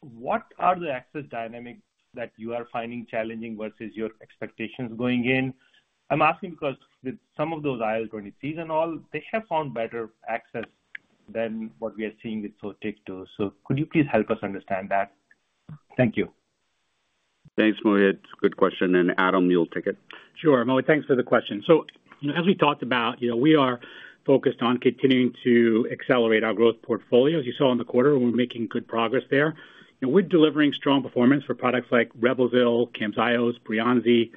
what are the access dynamics that you are finding challenging versus your expectations going in? I'm asking because with some of those IL-17s and all, they have found better access than what we are seeing with Sotyktu. So could you please help us understand that? Thank you. Thanks, Mohit. Good question. And Adam, you'll take it. Sure. Mohit, thanks for the question. So as we talked about, we are focused on continuing to accelerate our growth portfolio. As you saw in the quarter, we're making good progress there. We're delivering strong performance for products like Reblozyl, Camzyos, Breyanzi,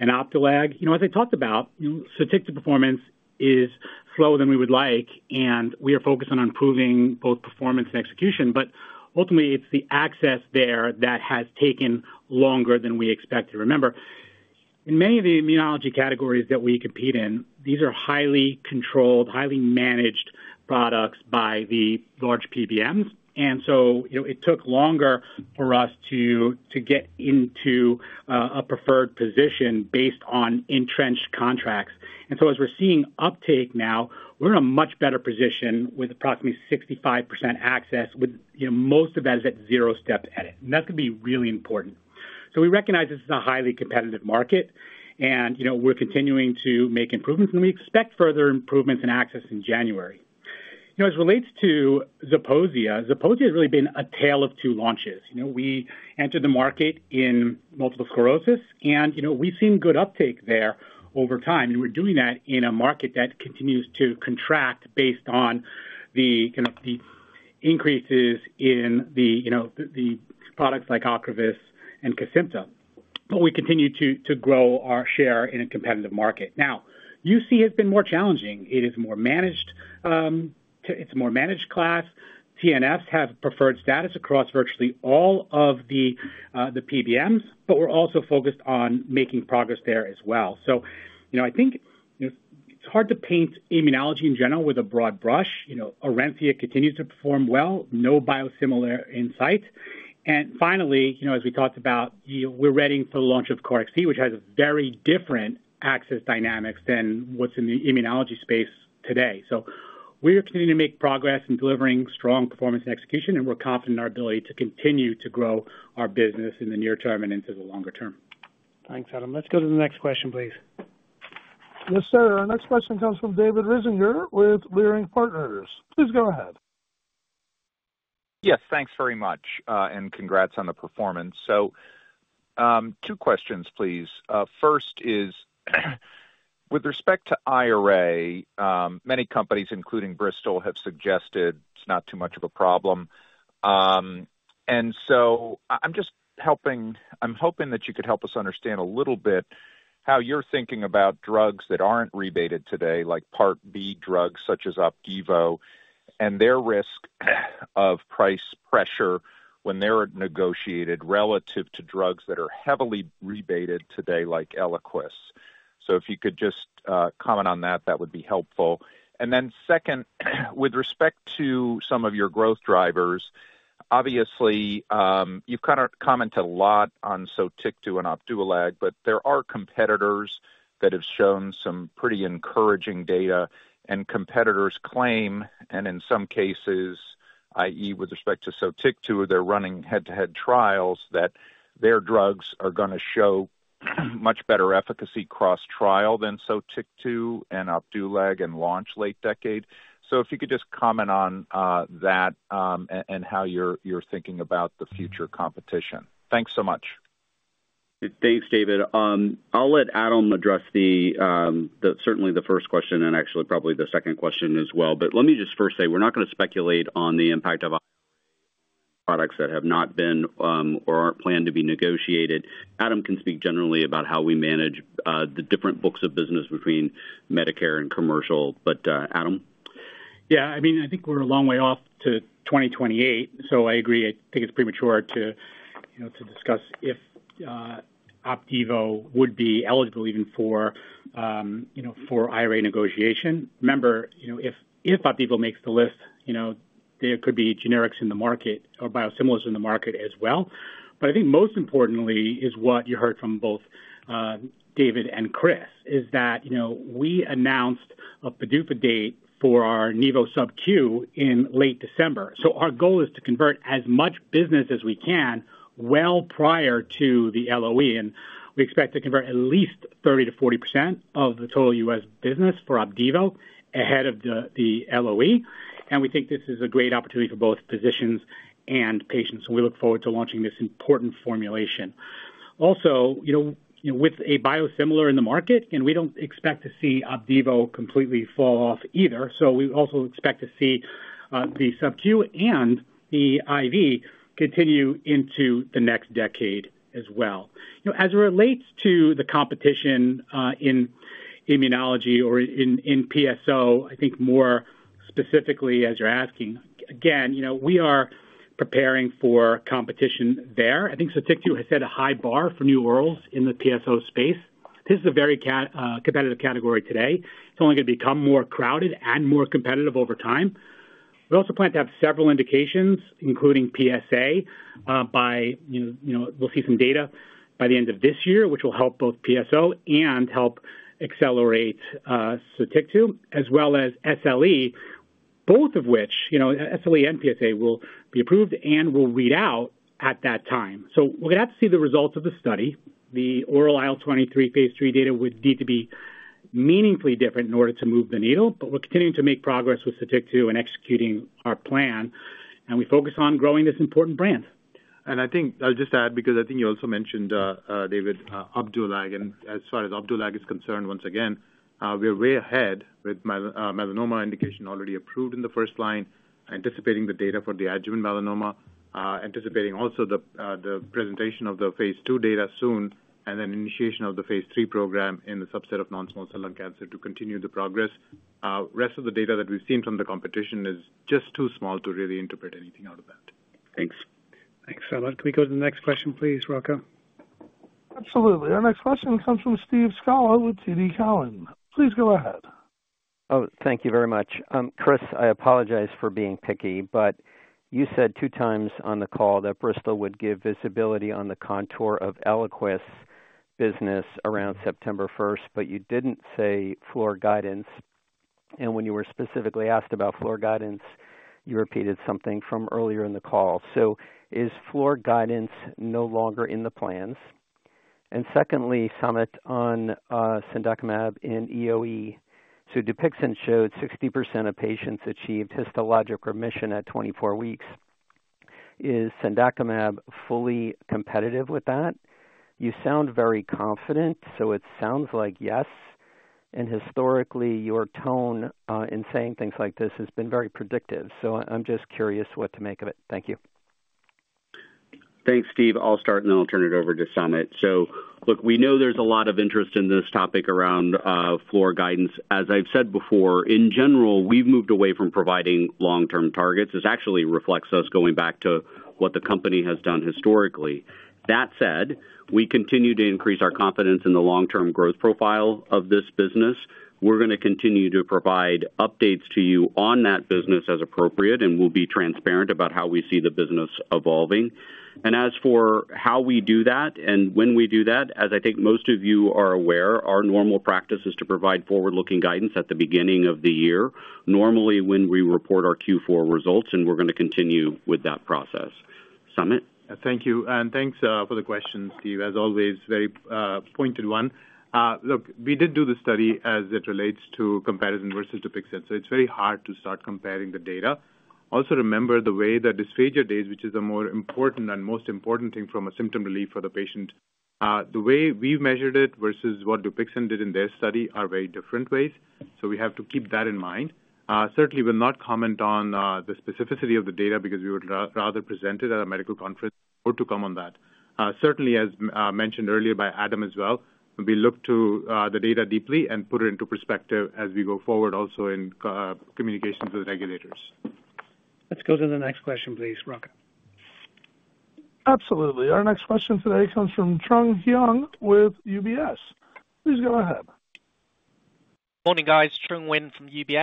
and Opdulag. As I talked about, Sotyktu performance is slower than we would like, and we are focused on improving both performance and execution. But ultimately, it's the access there that has taken longer than we expected. Remember, in many of the immunology categories that we compete in, these are highly controlled, highly managed products by the large PBMs. And so it took longer for us to get into a preferred position based on entrenched contracts. And so as we're seeing uptake now, we're in a much better position with approximately 65% access, with most of that is at zero-step edit. And that could be really important. We recognize this is a highly competitive market, and we're continuing to make improvements, and we expect further improvements in access in January. As it relates to Zeposia, Zeposia has really been a tale of two launches. We entered the market in multiple sclerosis, and we've seen good uptake there over time. We're doing that in a market that continues to contract based on the increases in the products like Ocrevus and Kesimpta. But we continue to grow our share in a competitive market. Now, UC has been more challenging. It is more managed. It's a more managed class. TNFs have preferred status across virtually all of the PBMs, but we're also focused on making progress there as well. So I think it's hard to paint immunology in general with a broad brush. Orencia continues to perform well. No biosimilar in sight. Finally, as we talked about, we're ready for the launch of KarXT, which has very different access dynamics than what's in the immunology space today. We're continuing to make progress in delivering strong performance and execution, and we're confident in our ability to continue to grow our business in the near term and into the longer term. Thanks, Adam. Let's go to the next question, please. Yes, sir. Our next question comes from David Risinger with Leerink Partners. Please go ahead. Yes, thanks very much, and congrats on the performance. Two questions, please. First is, with respect to IRA, many companies, including Bristol, have suggested it's not too much of a problem. And so I'm hoping that you could help us understand a little bit how you're thinking about drugs that aren't rebated today, like Part B drugs such as Opdivo, and their risk of price pressure when they're negotiated relative to drugs that are heavily rebated today, like Eliquis. If you could just comment on that, that would be helpful. Then second, with respect to some of your growth drivers, obviously, you've commented a lot on Sotyktu and Opdulag, but there are competitors that have shown some pretty encouraging data. Competitors claim, and in some cases, i.e., with respect to Sotyktu, they're running head-to-head trials, that their drugs are going to show much better efficacy cross-trial than Sotyktu and Opdulag in the launch late decade. If you could just comment on that and how you're thinking about the future competition? Thanks so much. Thanks, David. I'll let Adam address certainly the first question and actually probably the second question as well. But let me just first say, we're not going to speculate on the impact of products that have not been or aren't planned to be negotiated. Adam can speak generally about how we manage the different books of business between Medicare and commercial. But, Adam? Yeah. I mean, I think we're a long way off to 2028. So I agree. I think it's premature to discuss if Opdivo would be eligible even for IRA negotiation. Remember, if Opdivo makes the list, there could be generics in the market or biosimilars in the market as well. But I think most importantly, is what you heard from both David and Chris, is that we announced a PDUFA date for our Nivo SubQ in late December. So our goal is to convert as much business as we can well prior to the LOE. And we expect to convert at least 30% to 40% of the total U.S. business for Opdivo ahead of the LOE. And we think this is a great opportunity for both physicians and patients. And we look forward to launching this important formulation. Also, with a biosimilar in the market, we don't expect to see Opdivo completely fall off either. So we also expect to see the SubQ and the IV continue into the next decade as well. As it relates to the competition in immunology or in PSO, I think more specifically, as you're asking, again, we are preparing for competition there. I think Sotyktu has set a high bar for new orals in the PSO space. This is a very competitive category today. It's only going to become more crowded and more competitive over time. We also plan to have several indications, including PsA. We'll see some data by the end of this year, which will help both PSO and help accelerate Sotyktu, as well as SLE, both of which SLE and PsA will be approved and will read out at that time. So we're going to have to see the results of the study. The oral IL-23 phase III data would need to be meaningfully different in order to move the needle. But we're continuing to make progress with Sotyktu and executing our plan. And we focus on growing this important brand. I think I'll just add, because I think you also mentioned, David, Opdulag. As far as Opdulag is concerned, once again, we're way ahead with melanoma indication already approved in the first line, anticipating the data for the adjuvant melanoma, anticipating also the presentation of the phase II data soon, and then initiation of the phase III program in the subset of non-small cell lung cancer to continue the progress. The rest of the data that we've seen from the competition is just too small to really interpret anything out of that. Thanks. Thanks so much. Can we go to the next question, please, Rocco? Absolutely. Our next question comes from Steve Scala with TD Cowen. Please go ahead. Thank you very much. Chris, I apologize for being picky, but you said two times on the call that Bristol would give visibility on the contour of Eliquis business around September 1st, but you didn't say floor guidance. And when you were specifically asked about floor guidance, you repeated something from earlier in the call. So is floor guidance no longer in the plans? And secondly, Samit on Cendakimab in EOE. So Dupixent showed 60% of patients achieved histologic remission at 24 weeks. Is Cendakimab fully competitive with that? You sound very confident, so it sounds like yes. And historically, your tone in saying things like this has been very predictive. So I'm just curious what to make of it. Thank you. Thanks, Steve. I'll start, and then I'll turn it over to Samit. So look, we know there's a lot of interest in this topic around floor guidance. As I've said before, in general, we've moved away from providing long-term targets. This actually reflects us going back to what the company has done historically. That said, we continue to increase our confidence in the long-term growth profile of this business. We're going to continue to provide updates to you on that business as appropriate, and we'll be transparent about how we see the business evolving. And as for how we do that and when we do that, as I think most of you are aware, our normal practice is to provide forward-looking guidance at the beginning of the year, normally when we report our Q4 results, and we're going to continue with that process. Samit? Thank you. Thanks for the question, Steve. As always, very pointed one. Look, we did do the study as it relates to comparison versus Dupixent. It's very hard to start comparing the data. Also, remember the way the dysphagia days, which is the more important and most important thing from a symptom relief for the patient, the way we've measured it versus what Dupixent did in their study are very different ways. We have to keep that in mind. Certainly, we'll not comment on the specificity of the data because we would rather present it at a medical conference or to come on that. Certainly, as mentioned earlier by Adam as well, we look to the data deeply and put it into perspective as we go forward also in communications with regulators. Let's go to the next question, please, Rocco. Absolutely. Our next question today comes from Trung Huynh with UBS. Please go ahead. Morning, guys. Trung Huynh from UBS.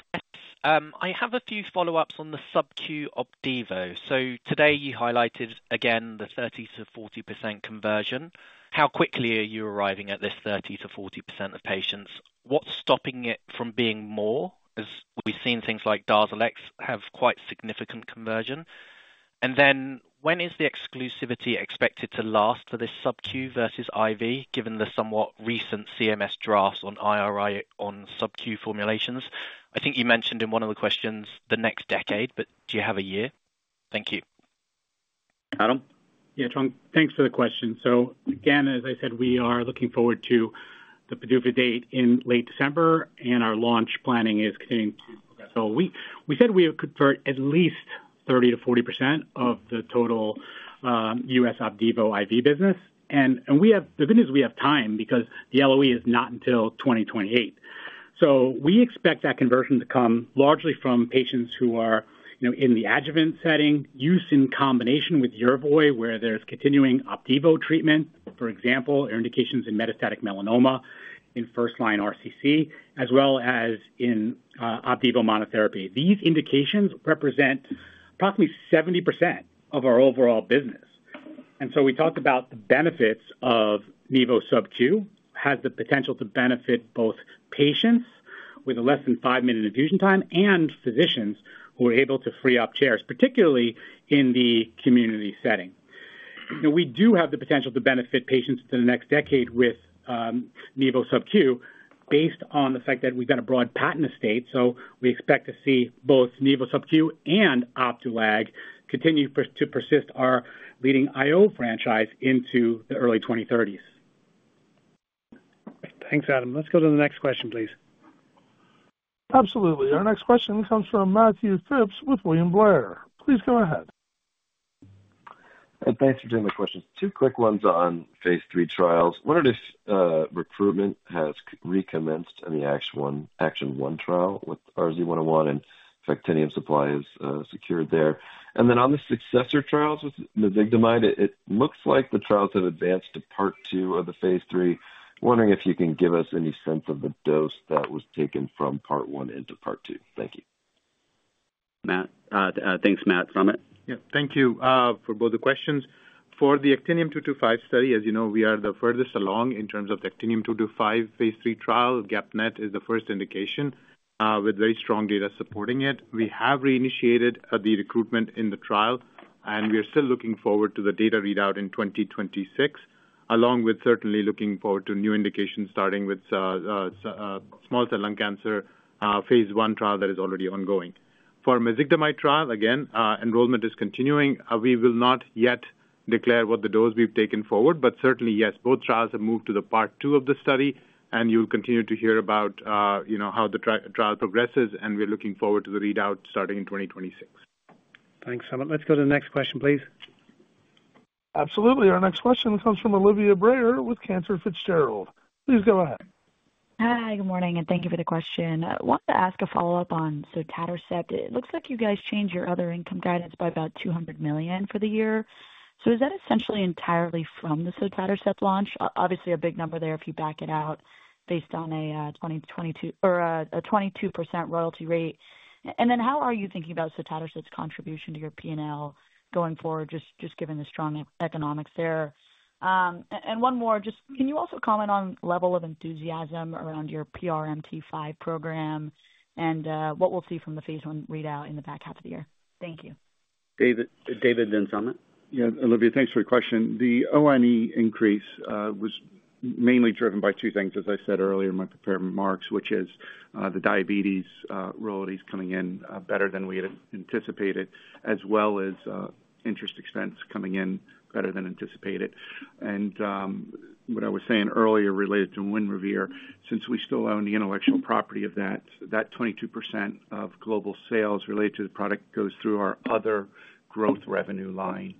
I have a few follow-ups on the SubQ Opdivo. So today, you highlighted again the 30% to 40% conversion. How quickly are you arriving at this 30% to 40% of patients? What's stopping it from being more? As we've seen, things like Darzalex have quite significant conversion. And then when is the exclusivity expected to last for this SubQ versus IV, given the somewhat recent CMS drafts on IRA on SubQ formulations? I think you mentioned in one of the questions the next decade, but do you have a year? Thank you. Adam? Yeah, Trung. Thanks for the question. So again, as I said, we are looking forward to the PDUFA date in late December, and our launch planning is continuing to progress. So we said we would convert at least 30% to 40% of the total U.S. Opdivo IV business. And the good news is we have time because the LOE is not until 2028. So we expect that conversion to come largely from patients who are in the adjuvant setting, use in combination with Yervoy where there's continuing Opdivo treatment, for example, or indications in metastatic melanoma in first-line RCC, as well as in Opdivo monotherapy. These indications represent approximately 70% of our overall business. So we talked about the benefits of Nivo SubQ, has the potential to benefit both patients with less than 5-minute infusion time and physicians who are able to free up chairs, particularly in the community setting. We do have the potential to benefit patients in the next decade with Nivo SubQ based on the fact that we've got a broad patent estate. So we expect to see both Nivo SubQ and Opdualag continue to persist our leading IO franchise into the early 2030s. Thanks, Adam. Let's go to the next question, please. Absolutely. Our next question comes from Matt Phipps with William Blair. Please go ahead. Thanks for taking my questions. Two quick ones on phase III trials. I wondered if recruitment has recommenced in the ACTION-1 trial with RYZ101 and actinium supply is secured there. And then on the successor trials with Mezigdomide, it looks like the trials have advanced to Part II of the phase III. I'm wondering if you can give us any sense of the dose that was taken from Part I into Part II. Thank you. Thanks, Matt. Samit? Yeah. Thank you for both the questions. For the actinium-225 study, as you know, we are the furthest along in terms of actinium-225 phase III trial. GEP-NET is the first indication with very strong data supporting it. We have reinitiated the recruitment in the trial, and we are still looking forward to the data readout in 2026, along with certainly looking forward to new indications starting with small cell lung cancer phase I trial that is already ongoing. For Mezigdomide trial, again, enrollment is continuing. We will not yet declare what the dose we've taken forward, but certainly, yes, both trials have moved to the Part II of the study, and you'll continue to hear about how the trial progresses, and we're looking forward to the readout starting in 2026. Thanks, Samit. Let's go to the next question, please. Absolutely. Our next question comes from Olivia Brayer with Cantor Fitzgerald. Please go ahead. Hi, good morning, and thank you for the question. I wanted to ask a follow-up on sotatercept. It looks like you guys changed your other income guidance by about $200 million for the year. So is that essentially entirely from the sotatercept launch? Obviously, a big number there if you back it out based on a 22% royalty rate. And then how are you thinking about sotatercept's contribution to your P&L going forward, just given the strong economics there? And one more, just can you also comment on the level of enthusiasm around your PRMT5 program and what we'll see from the phase I readout in the back half of the year? Thank you. David, then Samit. Yeah. Olivia, thanks for your question. The OI&E increase was mainly driven by two things, as I said earlier in my prepared remarks, which is the diabetes royalties coming in better than we had anticipated, as well as interest expense coming in better than anticipated. And what I was saying earlier related to Winrevair, since we still own the intellectual property of that, that 22% of global sales related to the product goes through our other growth revenue line.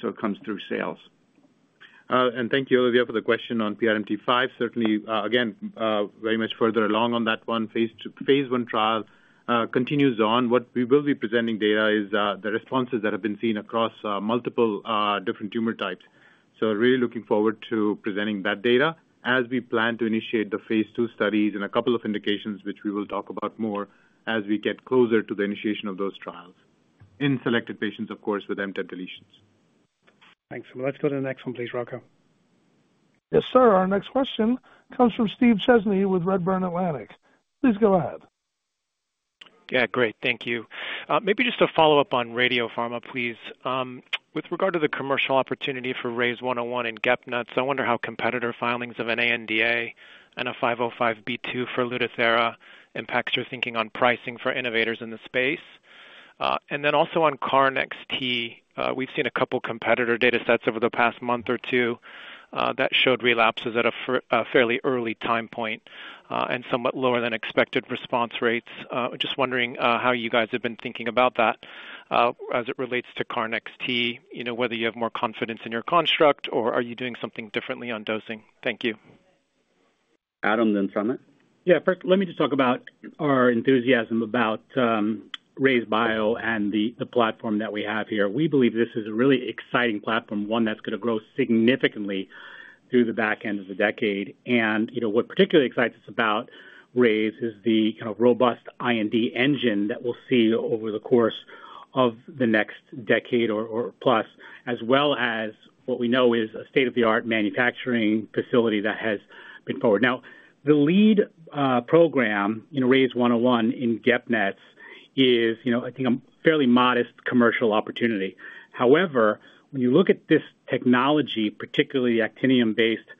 So it comes through sales. Thank you, Olivia, for the question on PRMT5. Certainly, again, very much further along on that one. Phase I trial continues on. What we will be presenting data is the responses that have been seen across multiple different tumor types. So really looking forward to presenting that data as we plan to initiate the phase II studies and a couple of indications, which we will talk about more as we get closer to the initiation of those trials in selected patients, of course, with MTAP deletions. Thanks. Let's go to the next one, please, Rocco. Yes, sir. Our next question comes from Steve Chesney with Redburn Atlantic. Please go ahead. Yeah, great. Thank you. Maybe just a follow-up on Radiopharma, please. With regard to the commercial opportunity for RYZ101 and GAPNet, I wonder how competitor filings of an ANDA and a 505(b)(2) for Lutathera impacts your thinking on pricing for innovators in the space. And then also on CD19 NEX-T, we've seen a couple of competitor data sets over the past month or two that showed relapses at a fairly early time point and somewhat lower than expected response rates. Just wondering how you guys have been thinking about that as it relates to CD19 NEX-T, whether you have more confidence in your construct, or are you doing something differently on dosing? Thank you. Adam, then Samit? Yeah. Let me just talk about our enthusiasm about RayzeBio and the platform that we have here. We believe this is a really exciting platform, one that's going to grow significantly through the back end of the decade. And what particularly excites us about RayzeBio is the kind of robust IND engine that we'll see over the course of the next decade or plus, as well as what we know is a state-of-the-art manufacturing facility that has been forward. Now, the lead program, RYZ101 in GEP-NETs, is, I think, a fairly modest commercial opportunity. However, when you look at this technology, particularly the Actinium-based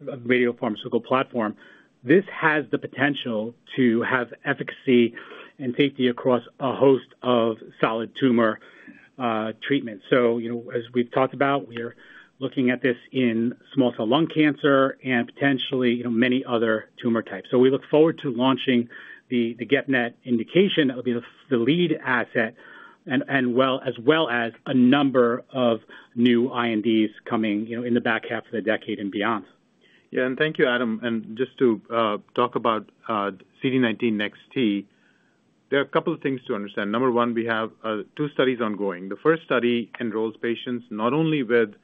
radiopharmaceutical platform, this has the potential to have efficacy and safety across a host of solid tumor treatments. So as we've talked about, we are looking at this in small cell lung cancer and potentially many other tumor types. So we look forward to launching the GAPNet indication that will be the lead asset, as well as a number of new INDs coming in the back half of the decade and beyond. Yeah. And thank you, Adam. And just to talk about CD19 NEX-T, there are a couple of things to understand. Number one, we have two studies ongoing. The first study enrolls patients not only with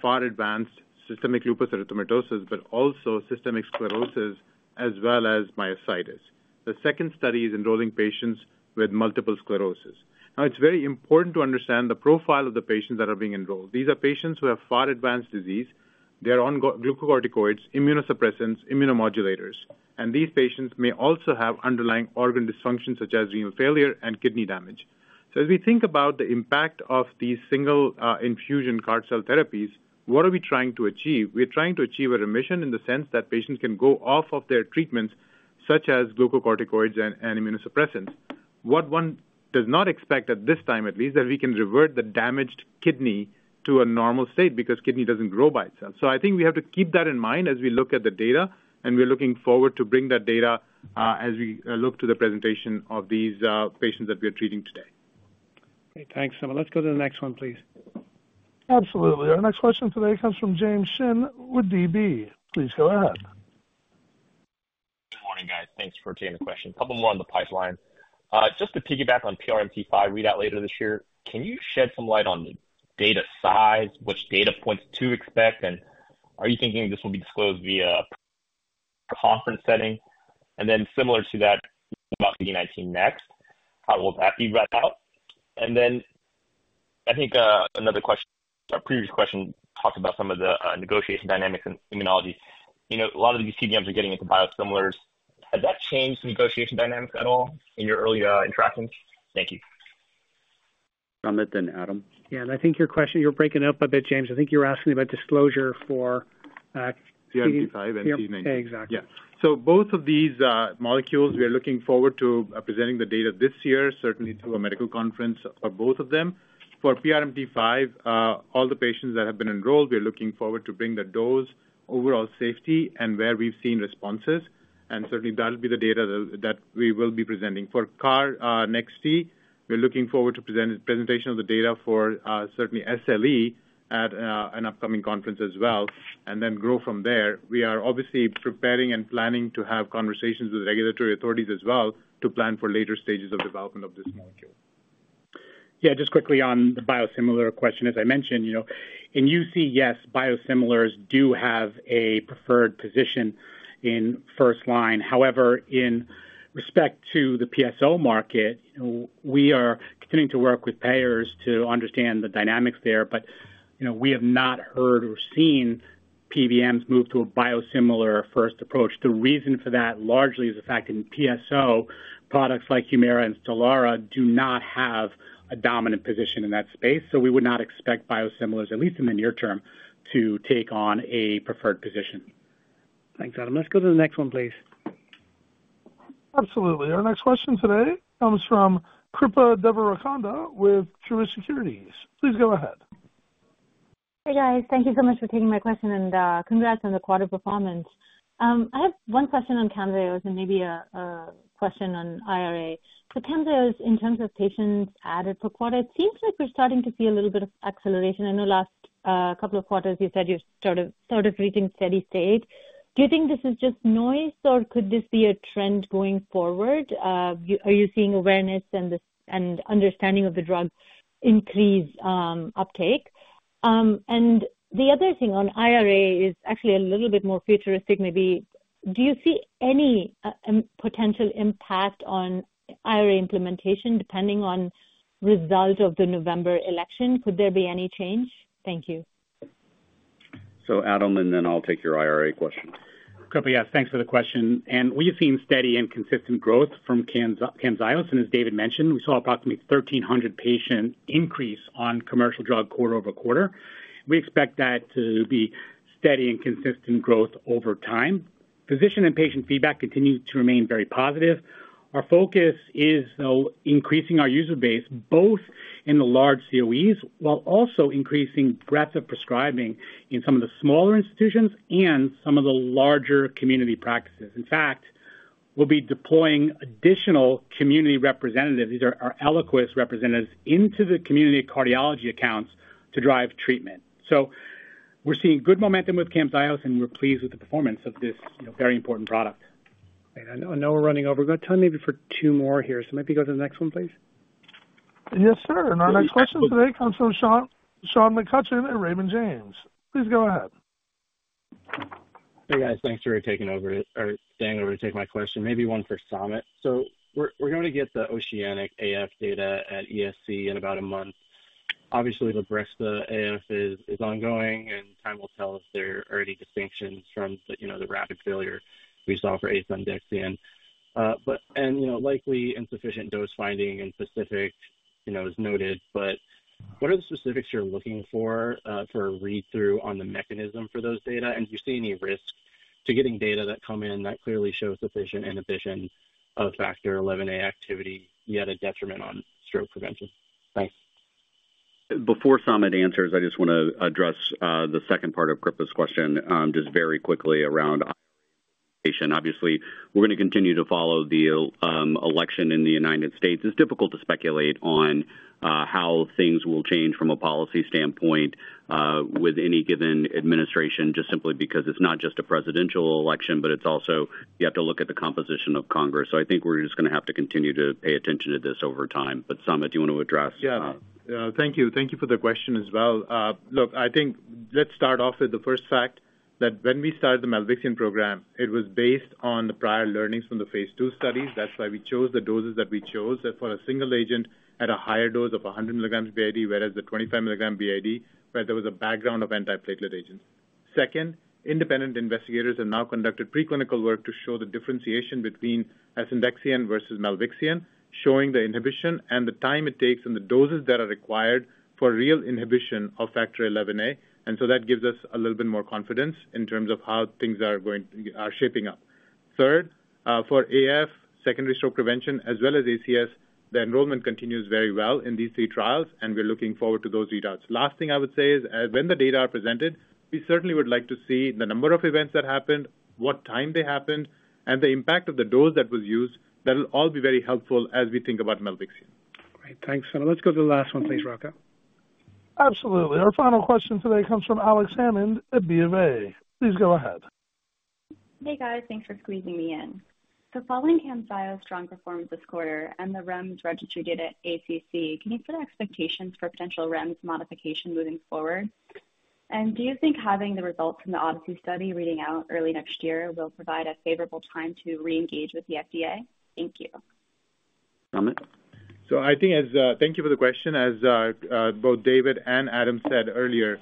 far-advanced systemic lupus erythematosus, but also systemic sclerosis, as well as myositis. The second study is enrolling patients with multiple sclerosis. Now, it's very important to understand the profile of the patients that are being enrolled. These are patients who have far-advanced disease. They're on glucocorticoids, immunosuppressants, immunomodulators. And these patients may also have underlying organ dysfunction, such as renal failure and kidney damage. So as we think about the impact of these single-infusion CAR T cell therapies, what are we trying to achieve? We're trying to achieve a remission in the sense that patients can go off of their treatments, such as glucocorticoids and immunosuppressants. What one does not expect at this time, at least, is that we can revert the damaged kidney to a normal state because kidney doesn't grow by itself. I think we have to keep that in mind as we look at the data, and we're looking forward to bringing that data as we look to the presentation of these patients that we are treating today. Okay. Thanks, Samit. Let's go to the next one, please. Absolutely. Our next question today comes from James Shin with DB. Please go ahead. Good morning, guys. Thanks for taking the question. A couple more on the pipeline. Just to piggyback on PRMT5 readout later this year, can you shed some light on data size, which data points to expect, and are you thinking this will be disclosed via a conference setting? And then similar to that, about CD19 NEX-T, how will that be read out? And then I think another question, our previous question talked about some of the negotiation dynamics and immunology. A lot of these PBMs are getting into biosimilars. Has that changed the negotiation dynamics at all in your early interactions? Thank you. Samit, then Adam. Yeah. And I think your question, you're breaking up a bit, James. I think you were asking about disclosure for. GPRC5D and CD19. Yeah. Exactly. Yeah. So both of these molecules, we are looking forward to presenting the data this year, certainly through a medical conference for both of them. For PRMT5, all the patients that have been enrolled, we are looking forward to bringing the dose, overall safety, and where we've seen responses. And certainly, that will be the data that we will be presenting. for CD19 NEX-T, we're looking forward to presentation of the data for certainly SLE at an upcoming conference as well, and then grow from there. We are obviously preparing and planning to have conversations with regulatory authorities as well to plan for later stages of development of this molecule. Yeah. Just quickly on the biosimilar question, as I mentioned, in UC, yes, biosimilars do have a preferred position in first line. However, in respect to the PSO market, we are continuing to work with payers to understand the dynamics there, but we have not heard or seen PBMs move to a biosimilar-first approach. The reason for that largely is the fact in PSO products like Humira and Stelara do not have a dominant position in that space. So we would not expect biosimilars, at least in the near term, to take on a preferred position. Thanks, Adam. Let's go to the next one, please. Absolutely. Our next question today comes from Kripa Devarakonda with Truist Securities. Please go ahead. Hey, guys. Thank you so much for taking my question, and congrats on the quarter performance. I have one question on Camzyos and maybe a question on IRA. So Camzyos, in terms of patients added per quarter, it seems like we're starting to see a little bit of acceleration. I know last couple of quarters, you said you started reaching steady state. Do you think this is just noise, or could this be a trend going forward? Are you seeing awareness and understanding of the drug increase uptake? And the other thing on IRA is actually a little bit more futuristic, maybe. Do you see any potential impact on IRA implementation depending on the result of the November election? Could there be any change? Thank you. Adam, and then I'll take your IRA question. Kripa, yes, thanks for the question. We have seen steady and consistent growth from Camzyos, and as David mentioned, we saw approximately 1,300 patient increase on commercial drug quarter-over-quarter. We expect that to be steady and consistent growth over time. Physician and patient feedback continues to remain very positive. Our focus is increasing our user base both in the large COEs while also increasing breadth of prescribing in some of the smaller institutions and some of the larger community practices. In fact, we'll be deploying additional community representatives, these are our Eliquis representatives, into the community cardiology accounts to drive treatment. We're seeing good momentum with Camzyos, and we're pleased with the performance of this very important product. I know we're running over. We've got time maybe for two more here. So maybe go to the next one, please. Yes, sir. Our next question today comes from Sean McCutcheon and Raymond James. Please go ahead. Hey, guys. Thanks for taking over or staying over to take my question. Maybe one for Samit. So we're going to get the Oceanic AF data at ESC in about a month. Obviously, the Librexia AF is ongoing, and time will tell if there are any distinctions from the rapid failure we saw for Asundexian. And likely insufficient dose finding in specific is noted, but what are the specifics you're looking for for a read-through on the mechanism for those data? And do you see any risk to getting data that come in that clearly shows sufficient inhibition of factor XIa activity, yet a detriment on stroke prevention? Thanks. Before Samit answers, I just want to address the second part of Kripa's question just very quickly around IRA implementation. Obviously, we're going to continue to follow the election in the United States. It's difficult to speculate on how things will change from a policy standpoint with any given administration just simply because it's not just a presidential election, but it's also you have to look at the composition of Congress. So I think we're just going to have to continue to pay attention to this over time. But Samit, do you want to address? Yeah. Thank you. Thank you for the question as well. Look, I think let's start off with the first fact that when we started the Milvexian program, it was based on the prior learnings from the phase II studies. That's why we chose the doses that we chose for a single agent at a higher dose of 100 milligrams b.i.d., whereas the 25 milligram b.i.d., where there was a background of antiplatelet agents. Second, independent investigators have now conducted preclinical work to show the differentiation between Asundexian versus Milvexian, showing the inhibition and the time it takes and the doses that are required for real inhibition of Factor XIa. And so that gives us a little bit more confidence in terms of how things are shaping up. Third, for AF, secondary stroke prevention, as well as ACS, the enrollment continues very well in these three trials, and we're looking forward to those readouts. Last thing I would say is when the data are presented, we certainly would like to see the number of events that happened, what time they happened, and the impact of the dose that was used. That'll all be very helpful as we think about Milvexian. Great. Thanks, Samit. Let's go to the last one, please, Rocca. Absolutely. Our final question today comes from Alex Hammond at B of A. Please go ahead. Hey, guys. Thanks for squeezing me in. So following Camzyos' strong performance this quarter and the REMS registry data at ACC, can you update expectations for potential REMS modification moving forward? And do you think having the results from the Odyssey study reading out early next year will provide a favorable time to re-engage with the FDA? Thank you. Samit. So I think thank you for the question. As both David and Adam said earlier,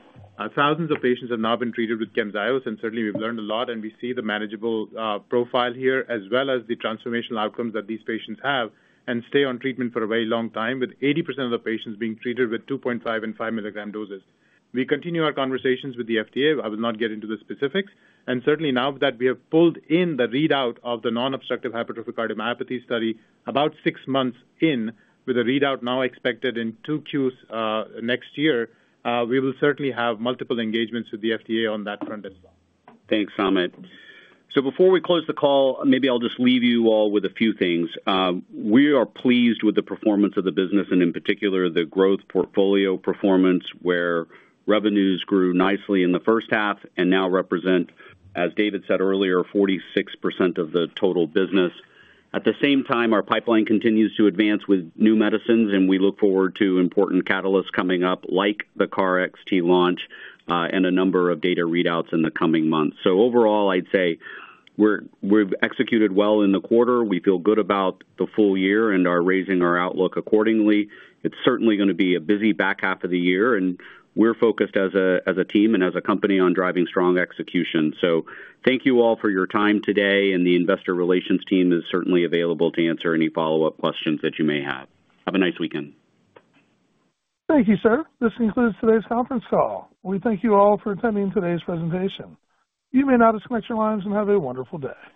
thousands of patients have now been treated with Camzyos, and certainly we've learned a lot, and we see the manageable profile here, as well as the transformational outcomes that these patients have and stay on treatment for a very long time, with 80% of the patients being treated with 2.5 and 5 milligram doses. We continue our conversations with the FDA. I will not get into the specifics. And certainly now that we have pulled in the readout of the non-obstructive hypertrophic cardiomyopathy study about six months in, with a readout now expected in two Qs next year, we will certainly have multiple engagements with the FDA on that front as well. Thanks, Samit. So before we close the call, maybe I'll just leave you all with a few things. We are pleased with the performance of the business, and in particular, the growth portfolio performance, where revenues grew nicely in the first half and now represent, as David said earlier, 46% of the total business. At the same time, our pipeline continues to advance with new medicines, and we look forward to important catalysts coming up like the CAR-XT launch and a number of data readouts in the coming months. So overall, I'd say we've executed well in the quarter. We feel good about the full year and are raising our outlook accordingly. It's certainly going to be a busy back half of the year, and we're focused as a team and as a company on driving strong execution. Thank you all for your time today, and the investor relations team is certainly available to answer any follow-up questions that you may have. Have a nice weekend. Thank you, sir. This concludes today's conference call. We thank you all for attending today's presentation. You may now disconnect your lines and have a wonderful day.